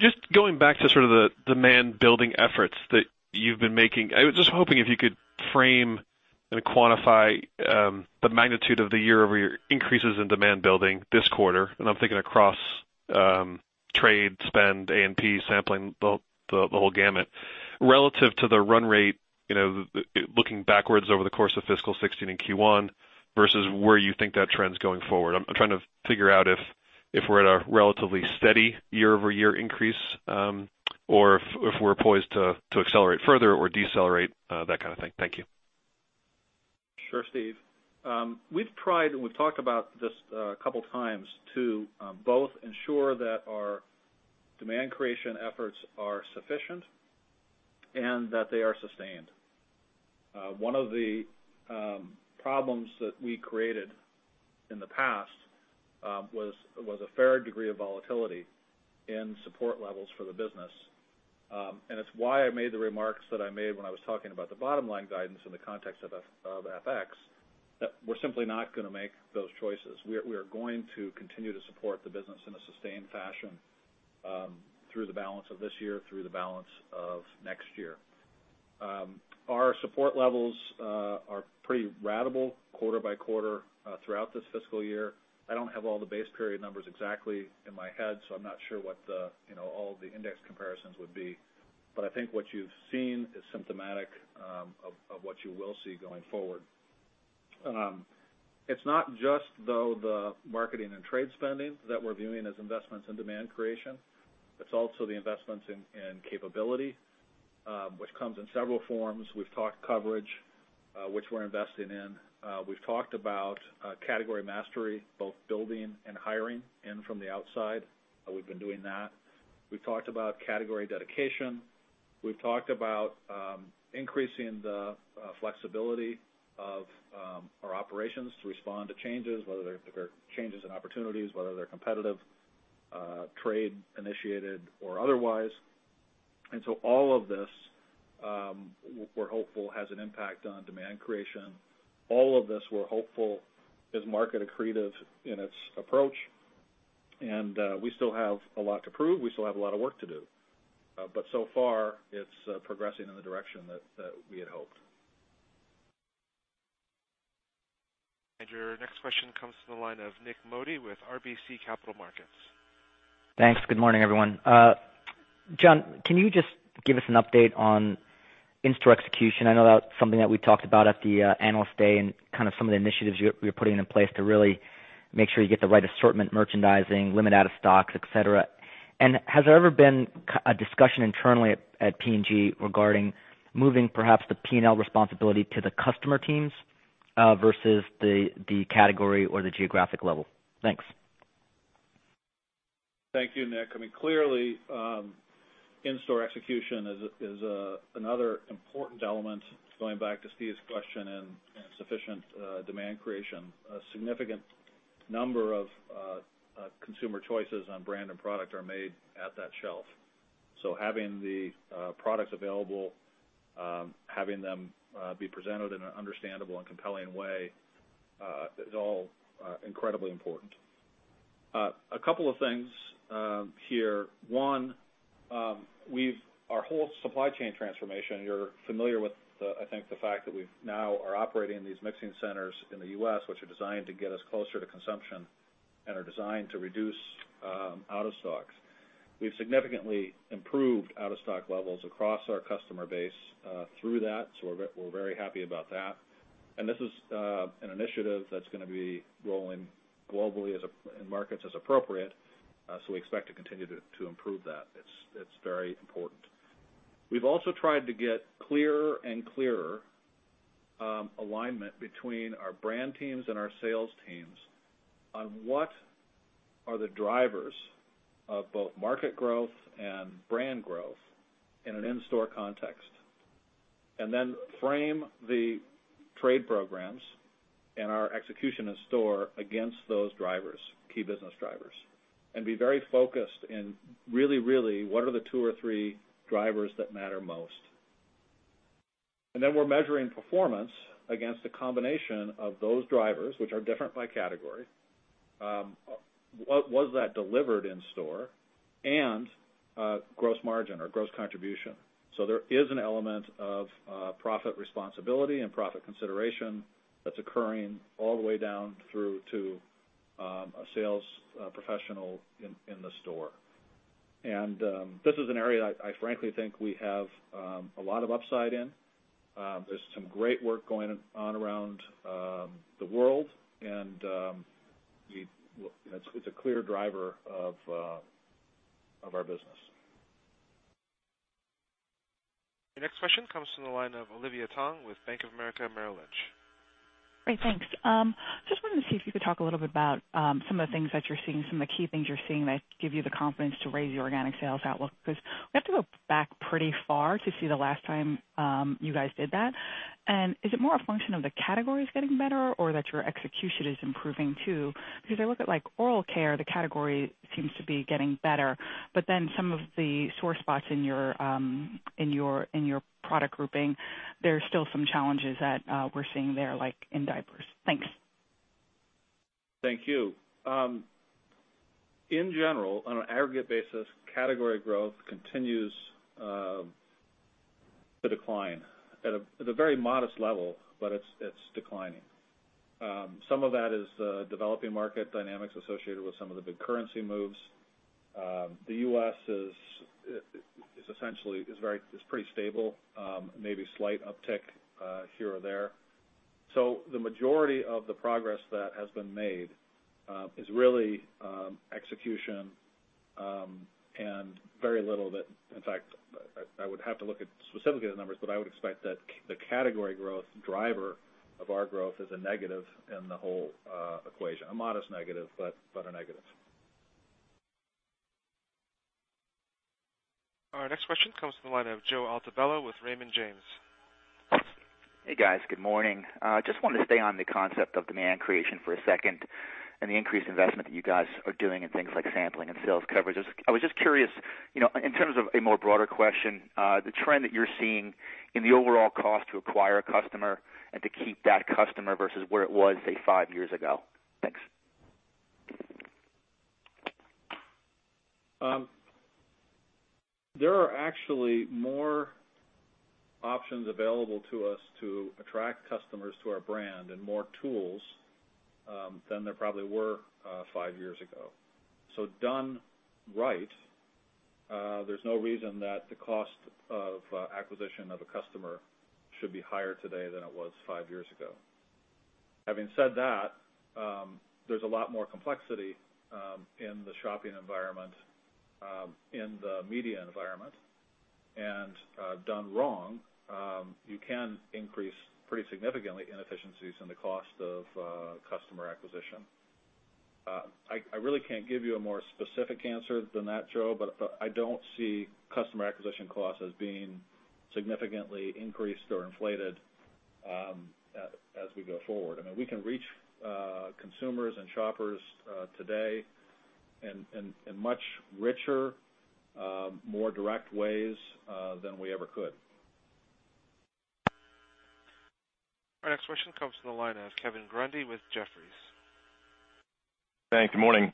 Just going back to the demand building efforts that you've been making, I was just hoping if you could frame and quantify the magnitude of the year-over-year increases in demand building this quarter, and I'm thinking across trade spend, A&P sampling, the whole gamut, relative to the run rate, looking backwards over the course of fiscal 2016 and Q1 versus where you think that trend's going forward. I'm trying to figure out if we're at a relatively steady year-over-year increase, or if we're poised to accelerate further or decelerate, that kind of thing. Thank you. Sure, Steve. We've tried, and we've talked about this a couple times, to both ensure that our demand creation efforts are sufficient and that they are sustained. One of the problems that we created in the past was a fair degree of volatility in support levels for the business. It's why I made the remarks that I made when I was talking about the bottom-line guidance in the context of FX, that we're simply not going to make those choices. We are going to continue to support the business in a sustained fashion through the balance of this year, through the balance of next year. Our support levels are pretty ratable quarter by quarter throughout this fiscal year. I don't have all the base period numbers exactly in my head, so I'm not sure what all the index comparisons would be. I think what you've seen is symptomatic of what you will see going forward. It's not just, though, the marketing and trade spending that we're viewing as investments in demand creation. It's also the investments in capability, which comes in several forms. We've talked coverage, which we're investing in. We've talked about category mastery, both building and hiring in from the outside. We've been doing that. We've talked about category dedication. We've talked about increasing the flexibility of our operations to respond to changes, whether they're changes in opportunities, whether they're competitive, trade-initiated or otherwise. All of this, we're hopeful, has an impact on demand creation. All of this, we're hopeful, is market accretive in its approach, and we still have a lot to prove. We still have a lot of work to do. So far, it's progressing in the direction that we had hoped. Your next question comes from the line of Nik Modi with RBC Capital Markets. Thanks. Good morning, everyone. Jon, can you just give us an update on in-store execution? I know that's something that we talked about at the Analyst Day, and some of the initiatives you're putting in place to really make sure you get the right assortment merchandising, limit out of stocks, et cetera. Has there ever been a discussion internally at P&G regarding moving perhaps the P&L responsibility to the customer teams, versus the category or the geographic level? Thanks. Thank you, Nik. Clearly, in-store execution is another important element, going back to Steve's question in sufficient demand creation. A significant number of consumer choices on brand and product are made at that shelf. Having the products available, having them be presented in an understandable and compelling way, is all incredibly important. A couple of things here. One, our whole supply chain transformation, you're familiar with, I think, the fact that we now are operating these mixing centers in the U.S., which are designed to get us closer to consumption and are designed to reduce out of stocks. We've significantly improved out-of-stock levels across our customer base through that. We're very happy about that. This is an initiative that's going to be rolling globally in markets as appropriate. We expect to continue to improve that. It's very important. We've also tried to get clearer and clearer alignment between our brand teams and our sales teams on what are the drivers of both market growth and brand growth in an in-store context. Then frame the trade programs and our execution in store against those drivers, key business drivers, and be very focused in really what are the two or three drivers that matter most. Then we're measuring performance against a combination of those drivers, which are different by category. Was that delivered in store? And gross margin or gross contribution. There is an element of profit responsibility and profit consideration that's occurring all the way down through to a sales professional in the store. This is an area I frankly think we have a lot of upside in. There's some great work going on around the world, and it's a clear driver of our business. Your next question comes from the line of Olivia Tong with Bank of America Merrill Lynch. Great. Thanks. Just wanted to see if you could talk a little bit about some of the things that you're seeing, some of the key things you're seeing that give you the confidence to raise your organic sales outlook. We have to go back pretty far to see the last time you guys did that. Is it more a function of the categories getting better or that your execution is improving too? I look at oral care, the category seems to be getting better, but then some of the sore spots in your product grouping, there are still some challenges that we're seeing there, like in diapers. Thanks. Thank you. In general, on an aggregate basis, category growth continues to decline at a very modest level, but it's declining. Some of that is developing market dynamics associated with some of the big currency moves. The U.S. is pretty stable, maybe slight uptick here or there. The majority of the progress that has been made is really execution. In fact, I would have to look at specifically the numbers, but I would expect that the category growth driver of our growth is a negative in the whole equation. A modest negative, but a negative. Our next question comes from the line of Joe Altobello with Raymond James. Hey, guys. Good morning. I was just curious, in terms of a more broader question, the trend that you're seeing in the overall cost to acquire a customer and to keep that customer versus where it was, say, five years ago. Thanks. There are actually more options available to us to attract customers to our brand and more tools than there probably were five years ago. Done right, there's no reason that the cost of acquisition of a customer should be higher today than it was five years ago. Having said that, there's a lot more complexity in the shopping environment, in the media environment, and done wrong, you can increase pretty significantly inefficiencies in the cost of customer acquisition. I really can't give you a more specific answer than that, Joe, but I don't see customer acquisition costs as being significantly increased or inflated as we go forward. We can reach consumers and shoppers today in much richer, more direct ways than we ever could. Our next question comes from the line of Kevin Grundy with Jefferies. Thanks. Good morning.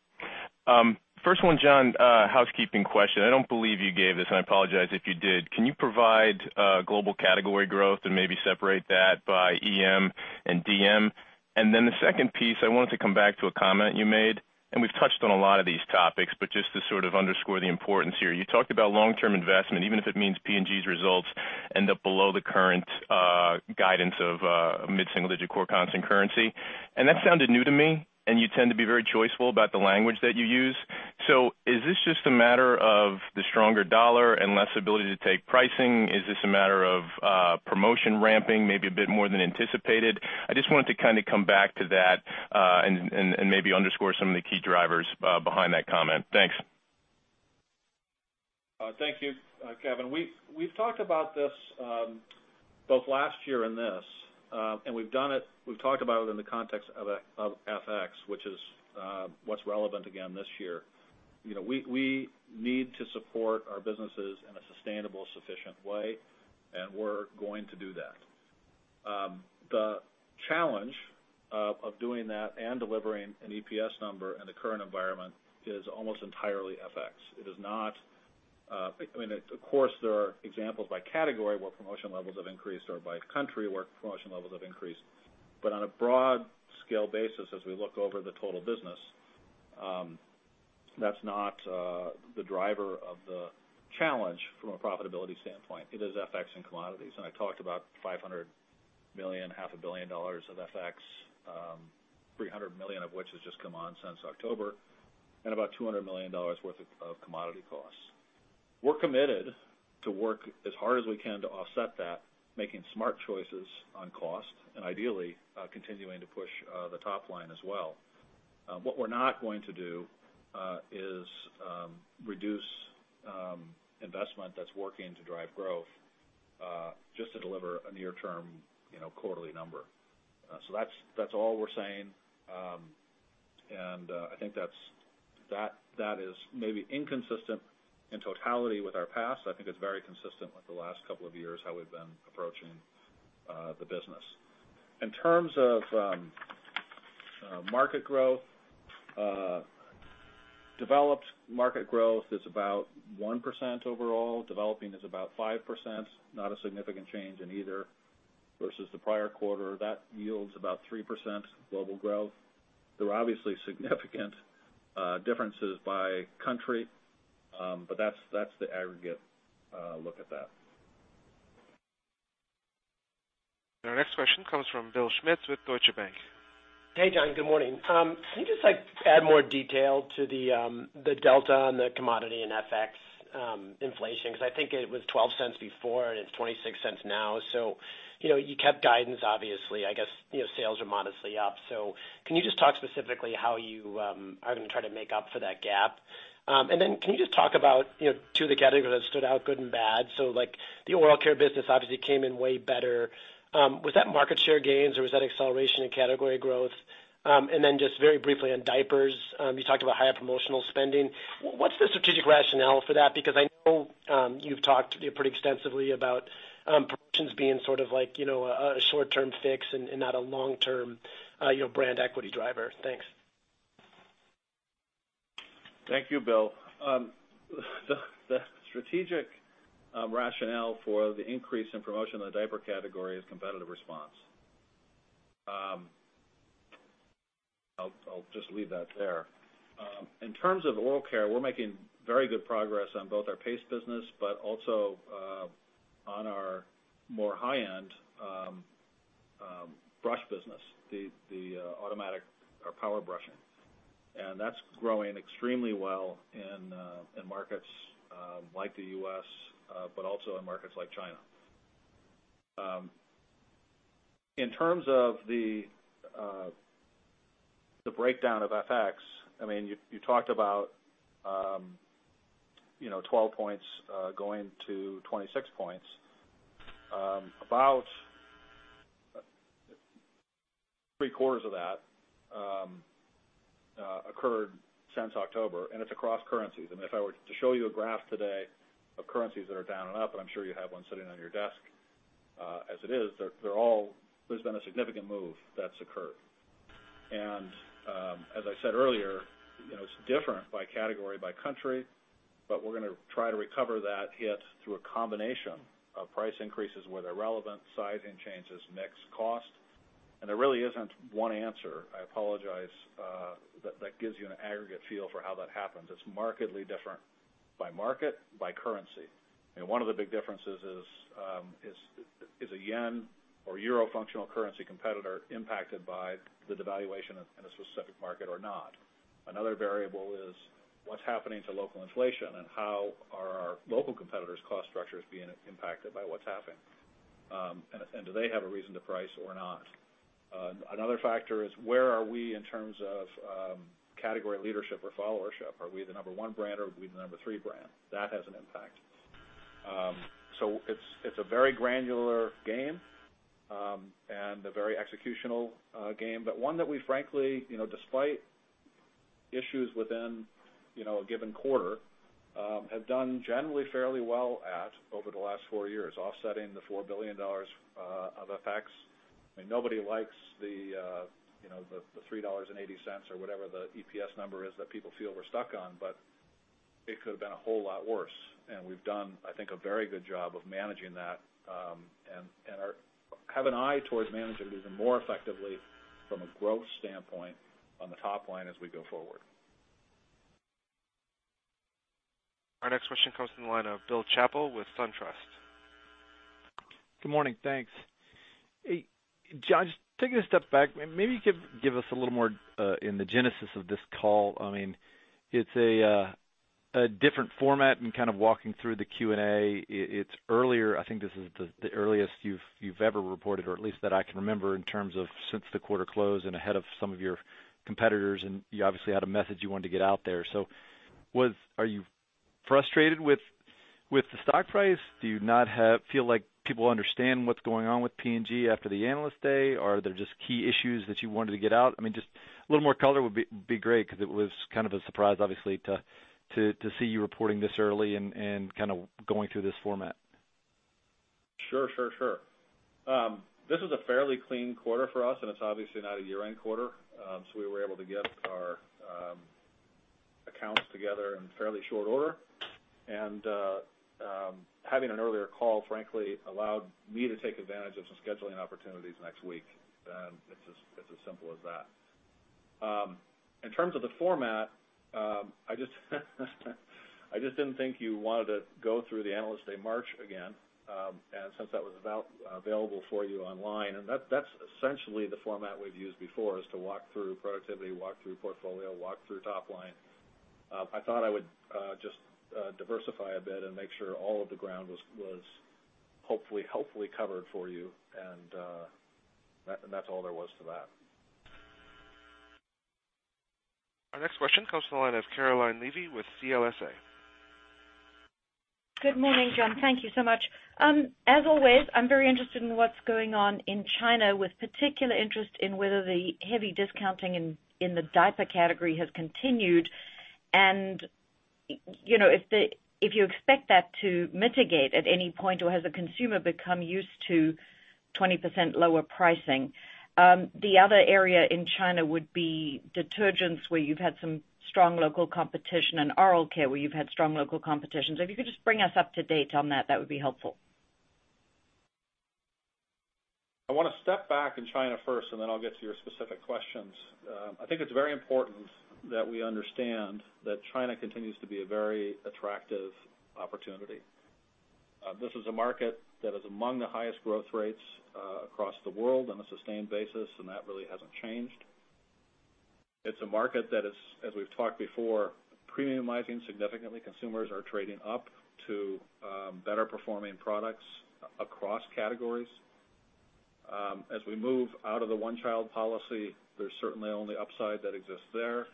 First one, John, housekeeping question. I don't believe you gave this, and I apologize if you did. Can you provide global category growth and maybe separate that by EM and DM? The second piece, I wanted to come back to a comment you made, and we've touched on a lot of these topics, but just to sort of underscore the importance here. You talked about long-term investment, even if it means P&G's results end up below the current guidance of mid-single digit core constant currency. That sounded new to me, and you tend to be very choiceful about the language that you use. Is this just a matter of the stronger dollar and less ability to take pricing? Is this a matter of promotion ramping, maybe a bit more than anticipated? I just wanted to come back to that, maybe underscore some of the key drivers behind that comment. Thanks. Thank you, Kevin. We've talked about this, both last year and this. We've talked about it in the context of FX, which is what's relevant again this year. We need to support our businesses in a sustainable, sufficient way, we're going to do that. The challenge of doing that and delivering an EPS number in the current environment is almost entirely FX. Of course, there are examples by category where promotion levels have increased, or by country where promotion levels have increased. On a broad scale basis, as we look over the total business, that's not the driver of the challenge from a profitability standpoint. It is FX and commodities. I talked about $500 million, half a billion dollars of FX, $300 million of which has just come on since October, and about $200 million worth of commodity costs. We're committed to work as hard as we can to offset that, making smart choices on cost, and ideally, continuing to push the top line as well. What we're not going to do, is reduce investment that's working to drive growth, just to deliver a near term quarterly number. That's all we're saying. I think that is maybe inconsistent in totality with our past. I think it's very consistent with the last couple of years, how we've been approaching the business. In terms of market growth, developed market growth is about 1% overall. Developing is about 5%, not a significant change in either versus the prior quarter. That yields about 3% global growth. There are obviously significant differences by country, but that's the aggregate look at that. Our next question comes from Bill Schmitz with Deutsche Bank. Hey, John. Good morning. Can you just add more detail to the delta on the commodity and FX inflation? I think it was $0.12 before and it's $0.26 now. You kept guidance, obviously. I guess, sales are modestly up. Can you just talk specifically how you are going to try to make up for that gap? Can you just talk about two of the categories that stood out, good and bad? The oral care business obviously came in way better. Was that market share gains or was that acceleration in category growth? Just very briefly on diapers, you talked about higher promotional spending. What's the strategic rationale for that? I know you've talked pretty extensively about promotions being sort of like a short-term fix and not a long-term brand equity driver. Thanks. Thank you, Bill. The strategic rationale for the increase in promotion in the diaper category is competitive response. I'll just leave that there. In terms of oral care, we're making very good progress on both our paste business, but also on our more high-end brush business, the automatic or power brushing. That's growing extremely well in markets like the U.S., but also in markets like China. In terms of the breakdown of FX, you talked about 12 points going to 26 points. About three quarters of that occurred since October, and it's across currencies. If I were to show you a graph today of currencies that are down and up, and I'm sure you have one sitting on your desk as it is, there's been a significant move that's occurred. As I said earlier, it's different by category, by country, but we're going to try to recover that hit through a combination of price increases where they're relevant, sizing changes, mix, cost. There really isn't one answer. I apologize, that gives you an aggregate feel for how that happens. It's markedly different by market, by currency. One of the big differences is a yen or euro functional currency competitor impacted by the devaluation in a specific market or not? Another variable is what's happening to local inflation and how are our local competitors' cost structures being impacted by what's happening? Do they have a reason to price or not? Another factor is where are we in terms of category leadership or followership? Are we the number one brand or are we the number three brand? That has an impact. It's a very granular game, and a very executional game, but one that we frankly, despite issues within a given quarter, have done generally fairly well at over the last four years, offsetting the $4 billion of FX. Nobody likes the $3.80 or whatever the EPS number is that people feel we're stuck on, but it could have been a whole lot worse. We've done, I think, a very good job of managing that, and have an eye towards managing it even more effectively from a growth standpoint on the top line as we go forward. Our next question comes from the line of Bill Chappell with SunTrust. Good morning. Thanks. John, just taking a step back, maybe you could give us a little more in the genesis of this call. It's a different format in kind of walking through the Q&A. It's earlier, I think this is the earliest you've ever reported, or at least that I can remember in terms of since the quarter close and ahead of some of your competitors, and you obviously had a message you wanted to get out there. Are you frustrated with the stock price? Do you not feel like people understand what's going on with P&G after the Analyst Day? Are there just key issues that you wanted to get out? Just a little more color would be great because it was kind of a surprise, obviously, to see you reporting this early and going through this format. Sure. This is a fairly clean quarter for us, and it's obviously not a year-end quarter, so we were able to get our accounts together in fairly short order. Having an earlier call, frankly, allowed me to take advantage of some scheduling opportunities next week. It's as simple as that. In terms of the format I just didn't think you wanted to go through the Analyst Day march again. Since that was available for you online, and that's essentially the format we've used before, is to walk through productivity, walk through portfolio, walk through top line. I thought I would just diversify a bit and make sure all of the ground was hopefully covered for you and that's all there was to that. Our next question comes to the line of Caroline Levy with CLSA. Good morning, John. Thank you so much. As always, I'm very interested in what's going on in China with particular interest in whether the heavy discounting in the diaper category has continued, and if you expect that to mitigate at any point, or has the consumer become used to 20% lower pricing? The other area in China would be detergents, where you've had some strong local competition, and oral care, where you've had strong local competition. If you could just bring us up to date on that would be helpful. I want to step back in China first, and then I'll get to your specific questions. I think it's very important that we understand that China continues to be a very attractive opportunity. This is a market that is among the highest growth rates across the world on a sustained basis, and that really hasn't changed. It's a market that is, as we've talked before, premiumizing significantly. Consumers are trading up to better performing products across categories. As we move out of the One-Child Policy, there's certainly only upside that exists there.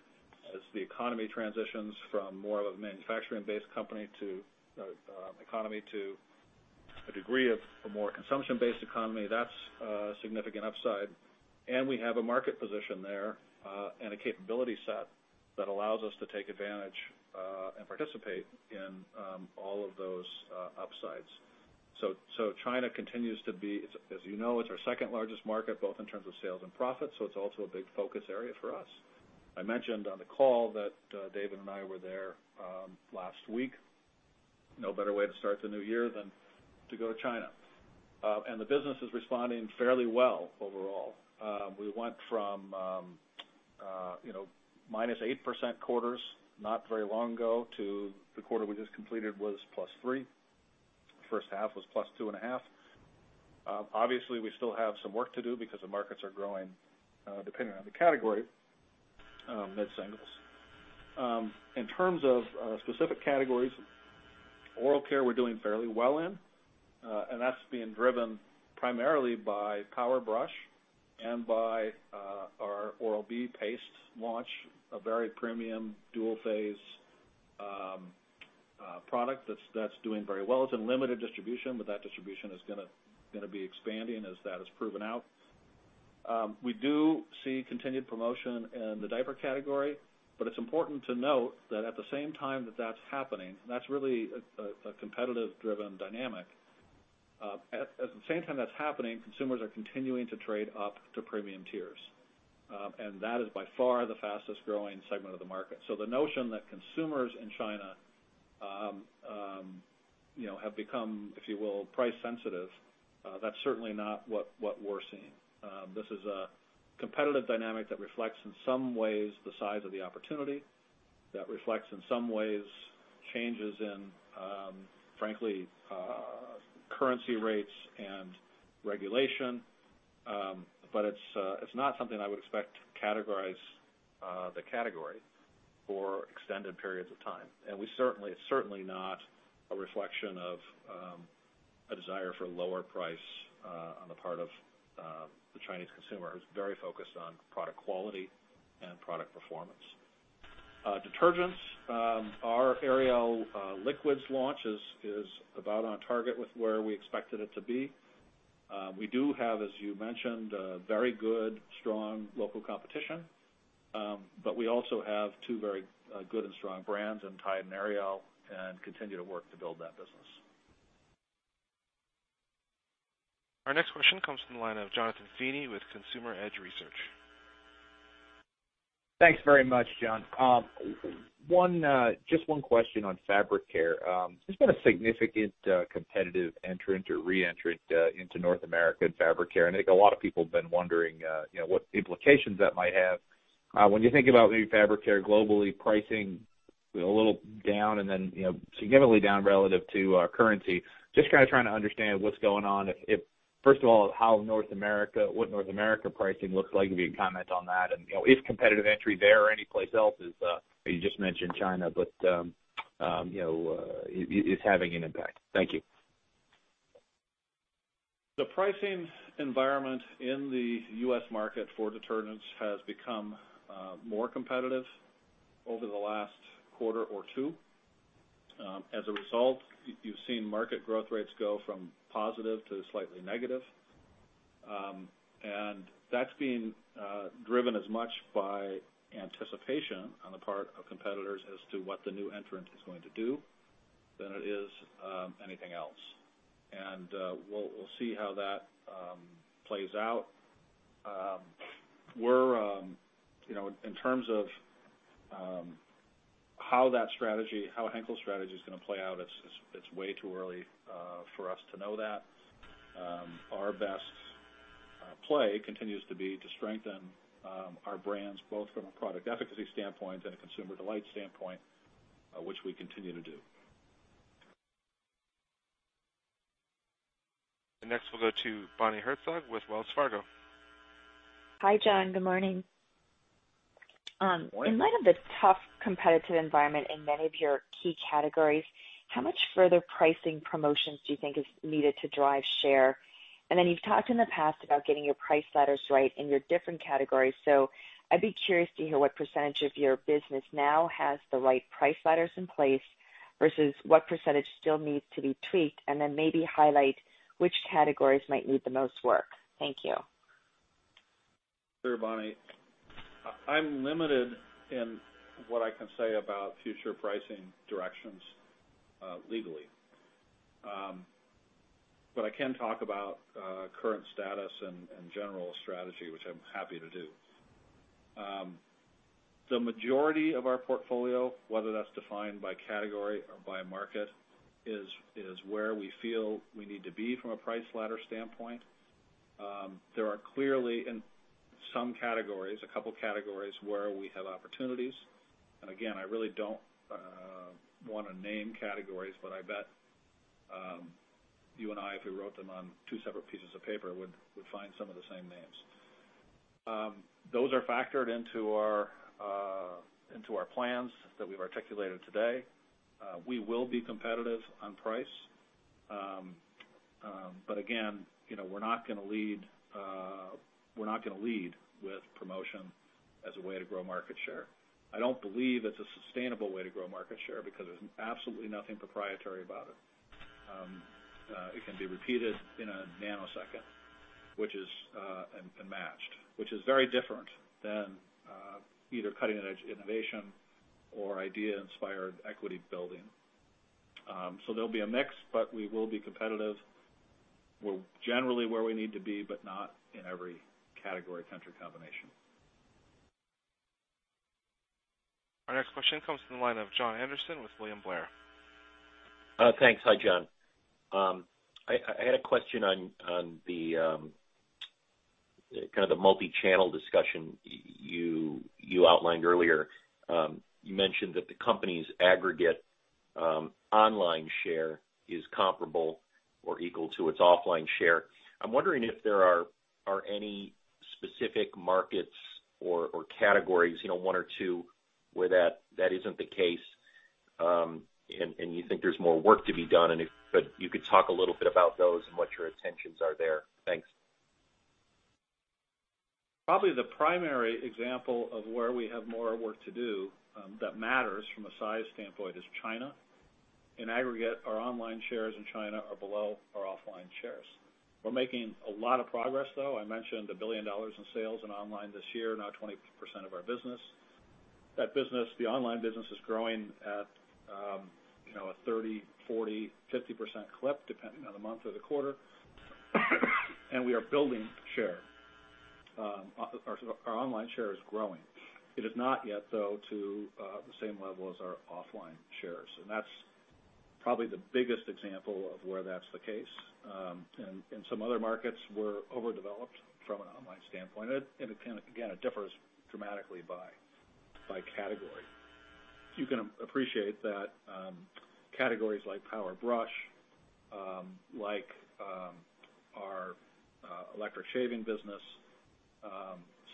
As the economy transitions from more of a manufacturing-based economy to a degree of a more consumption-based economy, that's a significant upside. We have a market position there and a capability set that allows us to take advantage and participate in all of those upsides. China continues to be, as you know, it's our second largest market, both in terms of sales and profits, it's also a big focus area for us. I mentioned on the call that David and I were there last week. No better way to start the new year than to go to China. The business is responding fairly well overall. We went from minus 8% quarters not very long ago to the quarter we just completed was plus three. First half was plus two and a half. Obviously, we still have some work to do because the markets are growing depending on the category, mid-singles. In terms of specific categories, oral care we're doing fairly well in, and that's being driven primarily by Power Brush and by our Oral-B paste launch, a very premium dual-phase product that's doing very well. It's in limited distribution, that distribution is going to be expanding as that is proven out. We do see continued promotion in the diaper category, it's important to note that at the same time that's happening, that's really a competitive driven dynamic. At the same time that's happening, consumers are continuing to trade up to premium tiers. That is by far the fastest growing segment of the market. The notion that consumers in China have become, if you will, price sensitive, that's certainly not what we're seeing. This is a competitive dynamic that reflects, in some ways, the size of the opportunity, that reflects, in some ways, changes in, frankly, currency rates and regulation. It's not something I would expect to categorize the category for extended periods of time. It's certainly not a reflection of a desire for lower price on the part of the Chinese consumer, who's very focused on product quality and product performance. Detergents, our Ariel liquids launch is about on target with where we expected it to be. We do have, as you mentioned, very good, strong local competition. We also have two very good and strong brands in Tide and Ariel, and continue to work to build that business. Our next question comes from the line of Jonathan Feeney with Consumer Edge Research. Thanks very much, Jon. Just one question on Fabric Care. There's been a significant competitive entrant or re-entrant into North America in Fabric Care, and I think a lot of people have been wondering what implications that might have. When you think about maybe Fabric Care globally, pricing a little down and then significantly down relative to currency. Just trying to understand what's going on. First of all, what North America pricing looks like, if you can comment on that, and if competitive entry there or anyplace else is, you just mentioned China, but is having an impact. Thank you. The pricing environment in the U.S. market for detergents has become more competitive over the last quarter or two. As a result, you've seen market growth rates go from positive to slightly negative. That's being driven as much by anticipation on the part of competitors as to what the new entrant is going to do than it is anything else. We'll see how that plays out. In terms of how Henkel's strategy is going to play out, it's way too early for us to know that. Our best play continues to be to strengthen our brands, both from a product efficacy standpoint and a consumer delight standpoint, which we continue to do. Next, we'll go to Bonnie Herzog with Wells Fargo. Hi, Jon. Good morning. Morning. In light of the tough competitive environment in many of your key categories, how much further pricing promotions do you think is needed to drive share? You've talked in the past about getting your price ladders right in your different categories. I'd be curious to hear what percentage of your business now has the right price ladders in place versus what percentage still needs to be tweaked, then maybe highlight which categories might need the most work. Thank you. Sure, Bonnie. I'm limited in what I can say about future pricing directions legally. I can talk about current status and general strategy, which I'm happy to do. The majority of our portfolio, whether that's defined by category or by market, is where we feel we need to be from a price ladder standpoint. There are clearly in some categories where we have opportunities. I really don't want to name categories, but I bet you and I, if we wrote them on two separate pieces of paper, would find some of the same names. Those are factored into our plans that we've articulated today. We will be competitive on price. We're not going to lead with promotion as a way to grow market share. I don't believe it's a sustainable way to grow market share because there's absolutely nothing proprietary about it. It can be repeated in a nanosecond, and matched, which is very different than either cutting-edge innovation or idea-inspired equity building. There'll be a mix, but we will be competitive. We're generally where we need to be, but not in every category-country combination. Our next question comes from the line of Jon Andersen with William Blair. Thanks. Hi, Jon. I had a question on the multi-channel discussion you outlined earlier. You mentioned that the company's aggregate online share is comparable or equal to its offline share. I'm wondering if there are any specific markets or categories, one or two, where that isn't the case, and you think there's more work to be done, and if you could talk a little bit about those and what your intentions are there. Thanks. Probably the primary example of where we have more work to do that matters from a size standpoint is China. In aggregate, our online shares in China are below our offline shares. We're making a lot of progress, though. I mentioned $1 billion in sales in online this year, now 20% of our business. That business, the online business, is growing at a 30%, 40%, 50% clip, depending on the month or the quarter. We are building share. Our online share is growing. It is not yet, though, to the same level as our offline shares, and that's probably the biggest example of where that's the case. In some other markets, we're overdeveloped from an online standpoint. Again, it differs dramatically by category. You can appreciate that categories like Power Brush, like our electric shaving business,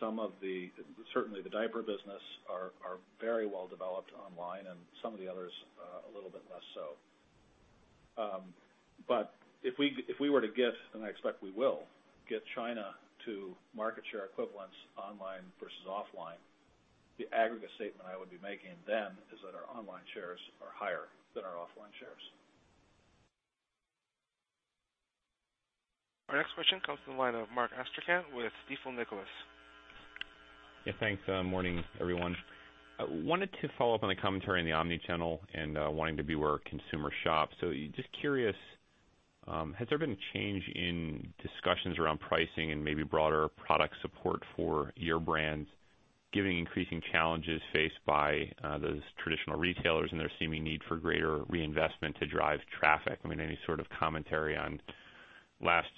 certainly the diaper business, are very well developed online, and some of the others a little bit less so. If we were to get, and I expect we will, get China to market share equivalence online versus offline, the aggregate statement I would be making then is that our online shares are higher than our offline shares. Our next question comes from the line of Mark Astrachan with Stifel Nicolaus. Yeah, thanks. Morning, everyone. Wanted to follow up on the commentary on the omni-channel and wanting to be where consumer shops. Just curious, has there been a change in discussions around pricing and maybe broader product support for your brands, giving increasing challenges faced by those traditional retailers and their seeming need for greater reinvestment to drive traffic? Any sort of commentary on last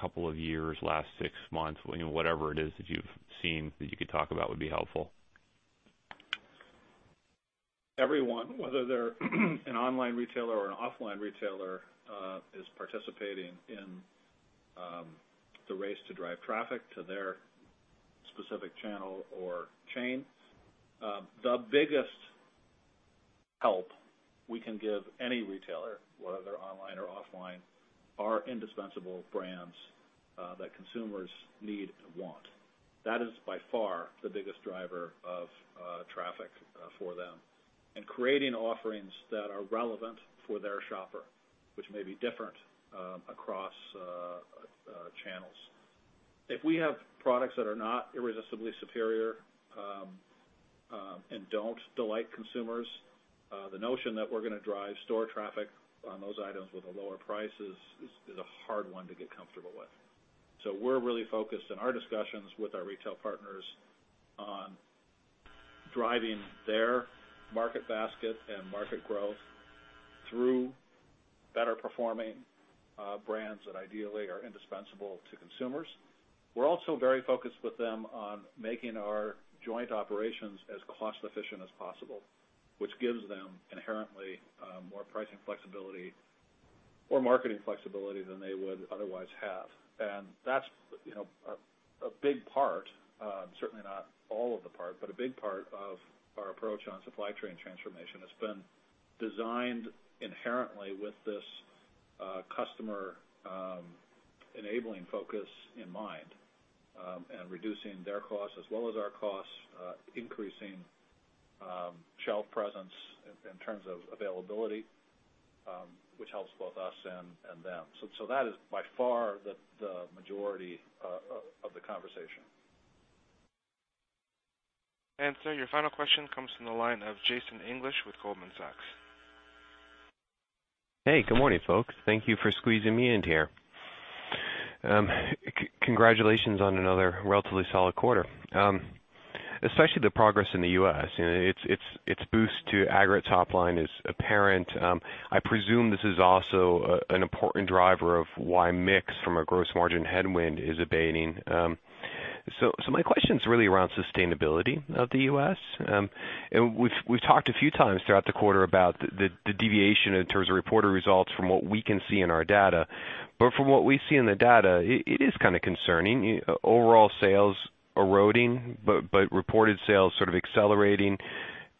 couple of years, last six months, whatever it is that you've seen that you could talk about would be helpful. Everyone, whether they're an online retailer or an offline retailer, is participating in the race to drive traffic to their specific channel or chain. The biggest help we can give any retailer, whether they're online or offline, are indispensable brands that consumers need and want. That is by far the biggest driver of traffic for them. Creating offerings that are relevant for their shopper, which may be different across channels. If we have products that are not irresistibly superior, and don't delight consumers, the notion that we're gonna drive store traffic on those items with a lower price is a hard one to get comfortable with. We're really focused in our discussions with our retail partners on driving their market basket and market growth through better-performing brands that ideally are indispensable to consumers. We're also very focused with them on making our joint operations as cost-efficient as possible, which gives them inherently more pricing flexibility or marketing flexibility than they would otherwise have. That's a big part, certainly not all of the part, but a big part of our approach on supply chain transformation. It's been designed inherently with this customer-enabling focus in mind, reducing their costs as well as our costs, increasing shelf presence in terms of availability, which helps both us and them. That is by far the majority of the conversation. Sir, your final question comes from the line of Jason English with Goldman Sachs. Hey, good morning, folks. Thank you for squeezing me in here. Congratulations on another relatively solid quarter, especially the progress in the U.S. Its boost to aggregate top line is apparent. I presume this is also an important driver of why mix from a gross margin headwind is abating. My question's really around sustainability of the U.S. We've talked a few times throughout the quarter about the deviation in terms of reported results from what we can see in our data. From what we see in the data, it is concerning, overall sales eroding, but reported sales sort of accelerating.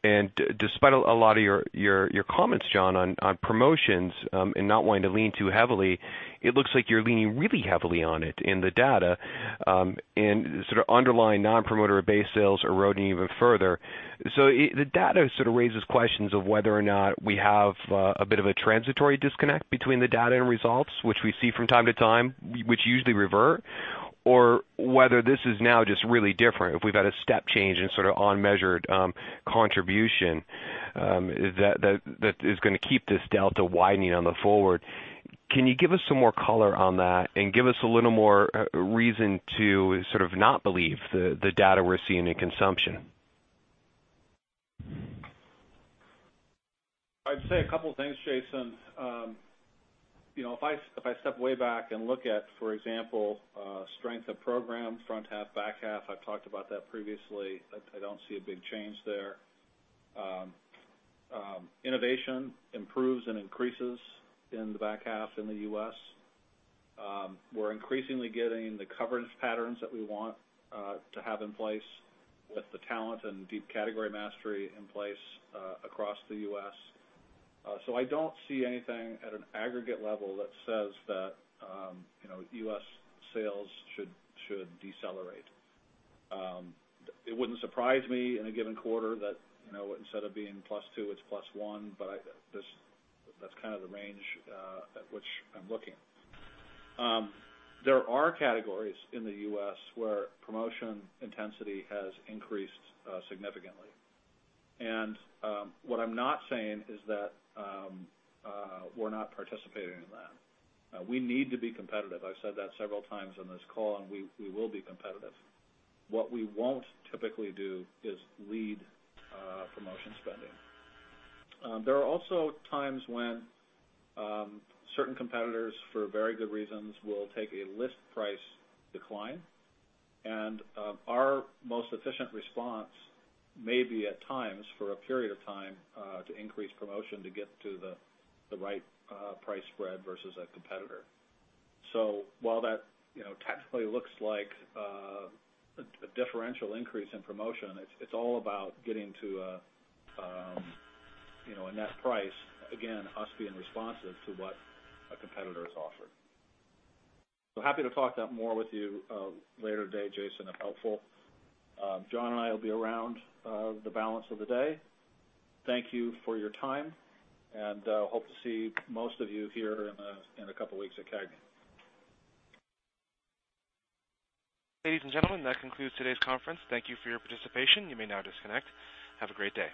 Despite a lot of your comments, John, on promotions and not wanting to lean too heavily, it looks like you're leaning really heavily on it in the data, and underlying non-promoter base sales eroding even further. The data sort of raises questions of whether or not we have a bit of a transitory disconnect between the data end results, which we see from time to time, which usually revert, or whether this is now just really different, if we've had a step change in unmeasured contribution that is gonna keep this delta widening on the forward. Can you give us some more color on that and give us a little more reason to not believe the data we're seeing in consumption? I'd say a couple things, Jason. If I step way back and look at, for example, strength of program, front half, back half, I've talked about that previously. I don't see a big change there. Innovation improves and increases in the back half in the U.S. We're increasingly getting the coverage patterns that we want to have in place with the talent and deep category mastery in place across the U.S. I don't see anything at an aggregate level that says that U.S. sales should decelerate. It wouldn't surprise me in a given quarter that instead of being plus two, it's plus one, but that's kind of the range at which I'm looking. There are categories in the U.S. where promotion intensity has increased significantly. What I'm not saying is that we're not participating in that. We need to be competitive. I've said that several times on this call, we will be competitive. What we won't typically do is lead promotion spending. There are also times when certain competitors, for very good reasons, will take a list price decline, and our most efficient response may be at times, for a period of time, to increase promotion to get to the right price spread versus a competitor. While that technically looks like a differential increase in promotion, it's all about getting to a net price. Again, us being responsive to what a competitor is offering. Happy to talk that more with you later today, Jason, if helpful. John and I will be around the balance of the day. Thank you for your time and hope to see most of you here in a couple weeks at CAGNY. Ladies and gentlemen, that concludes today's conference. Thank you for your participation. You may now disconnect. Have a great day.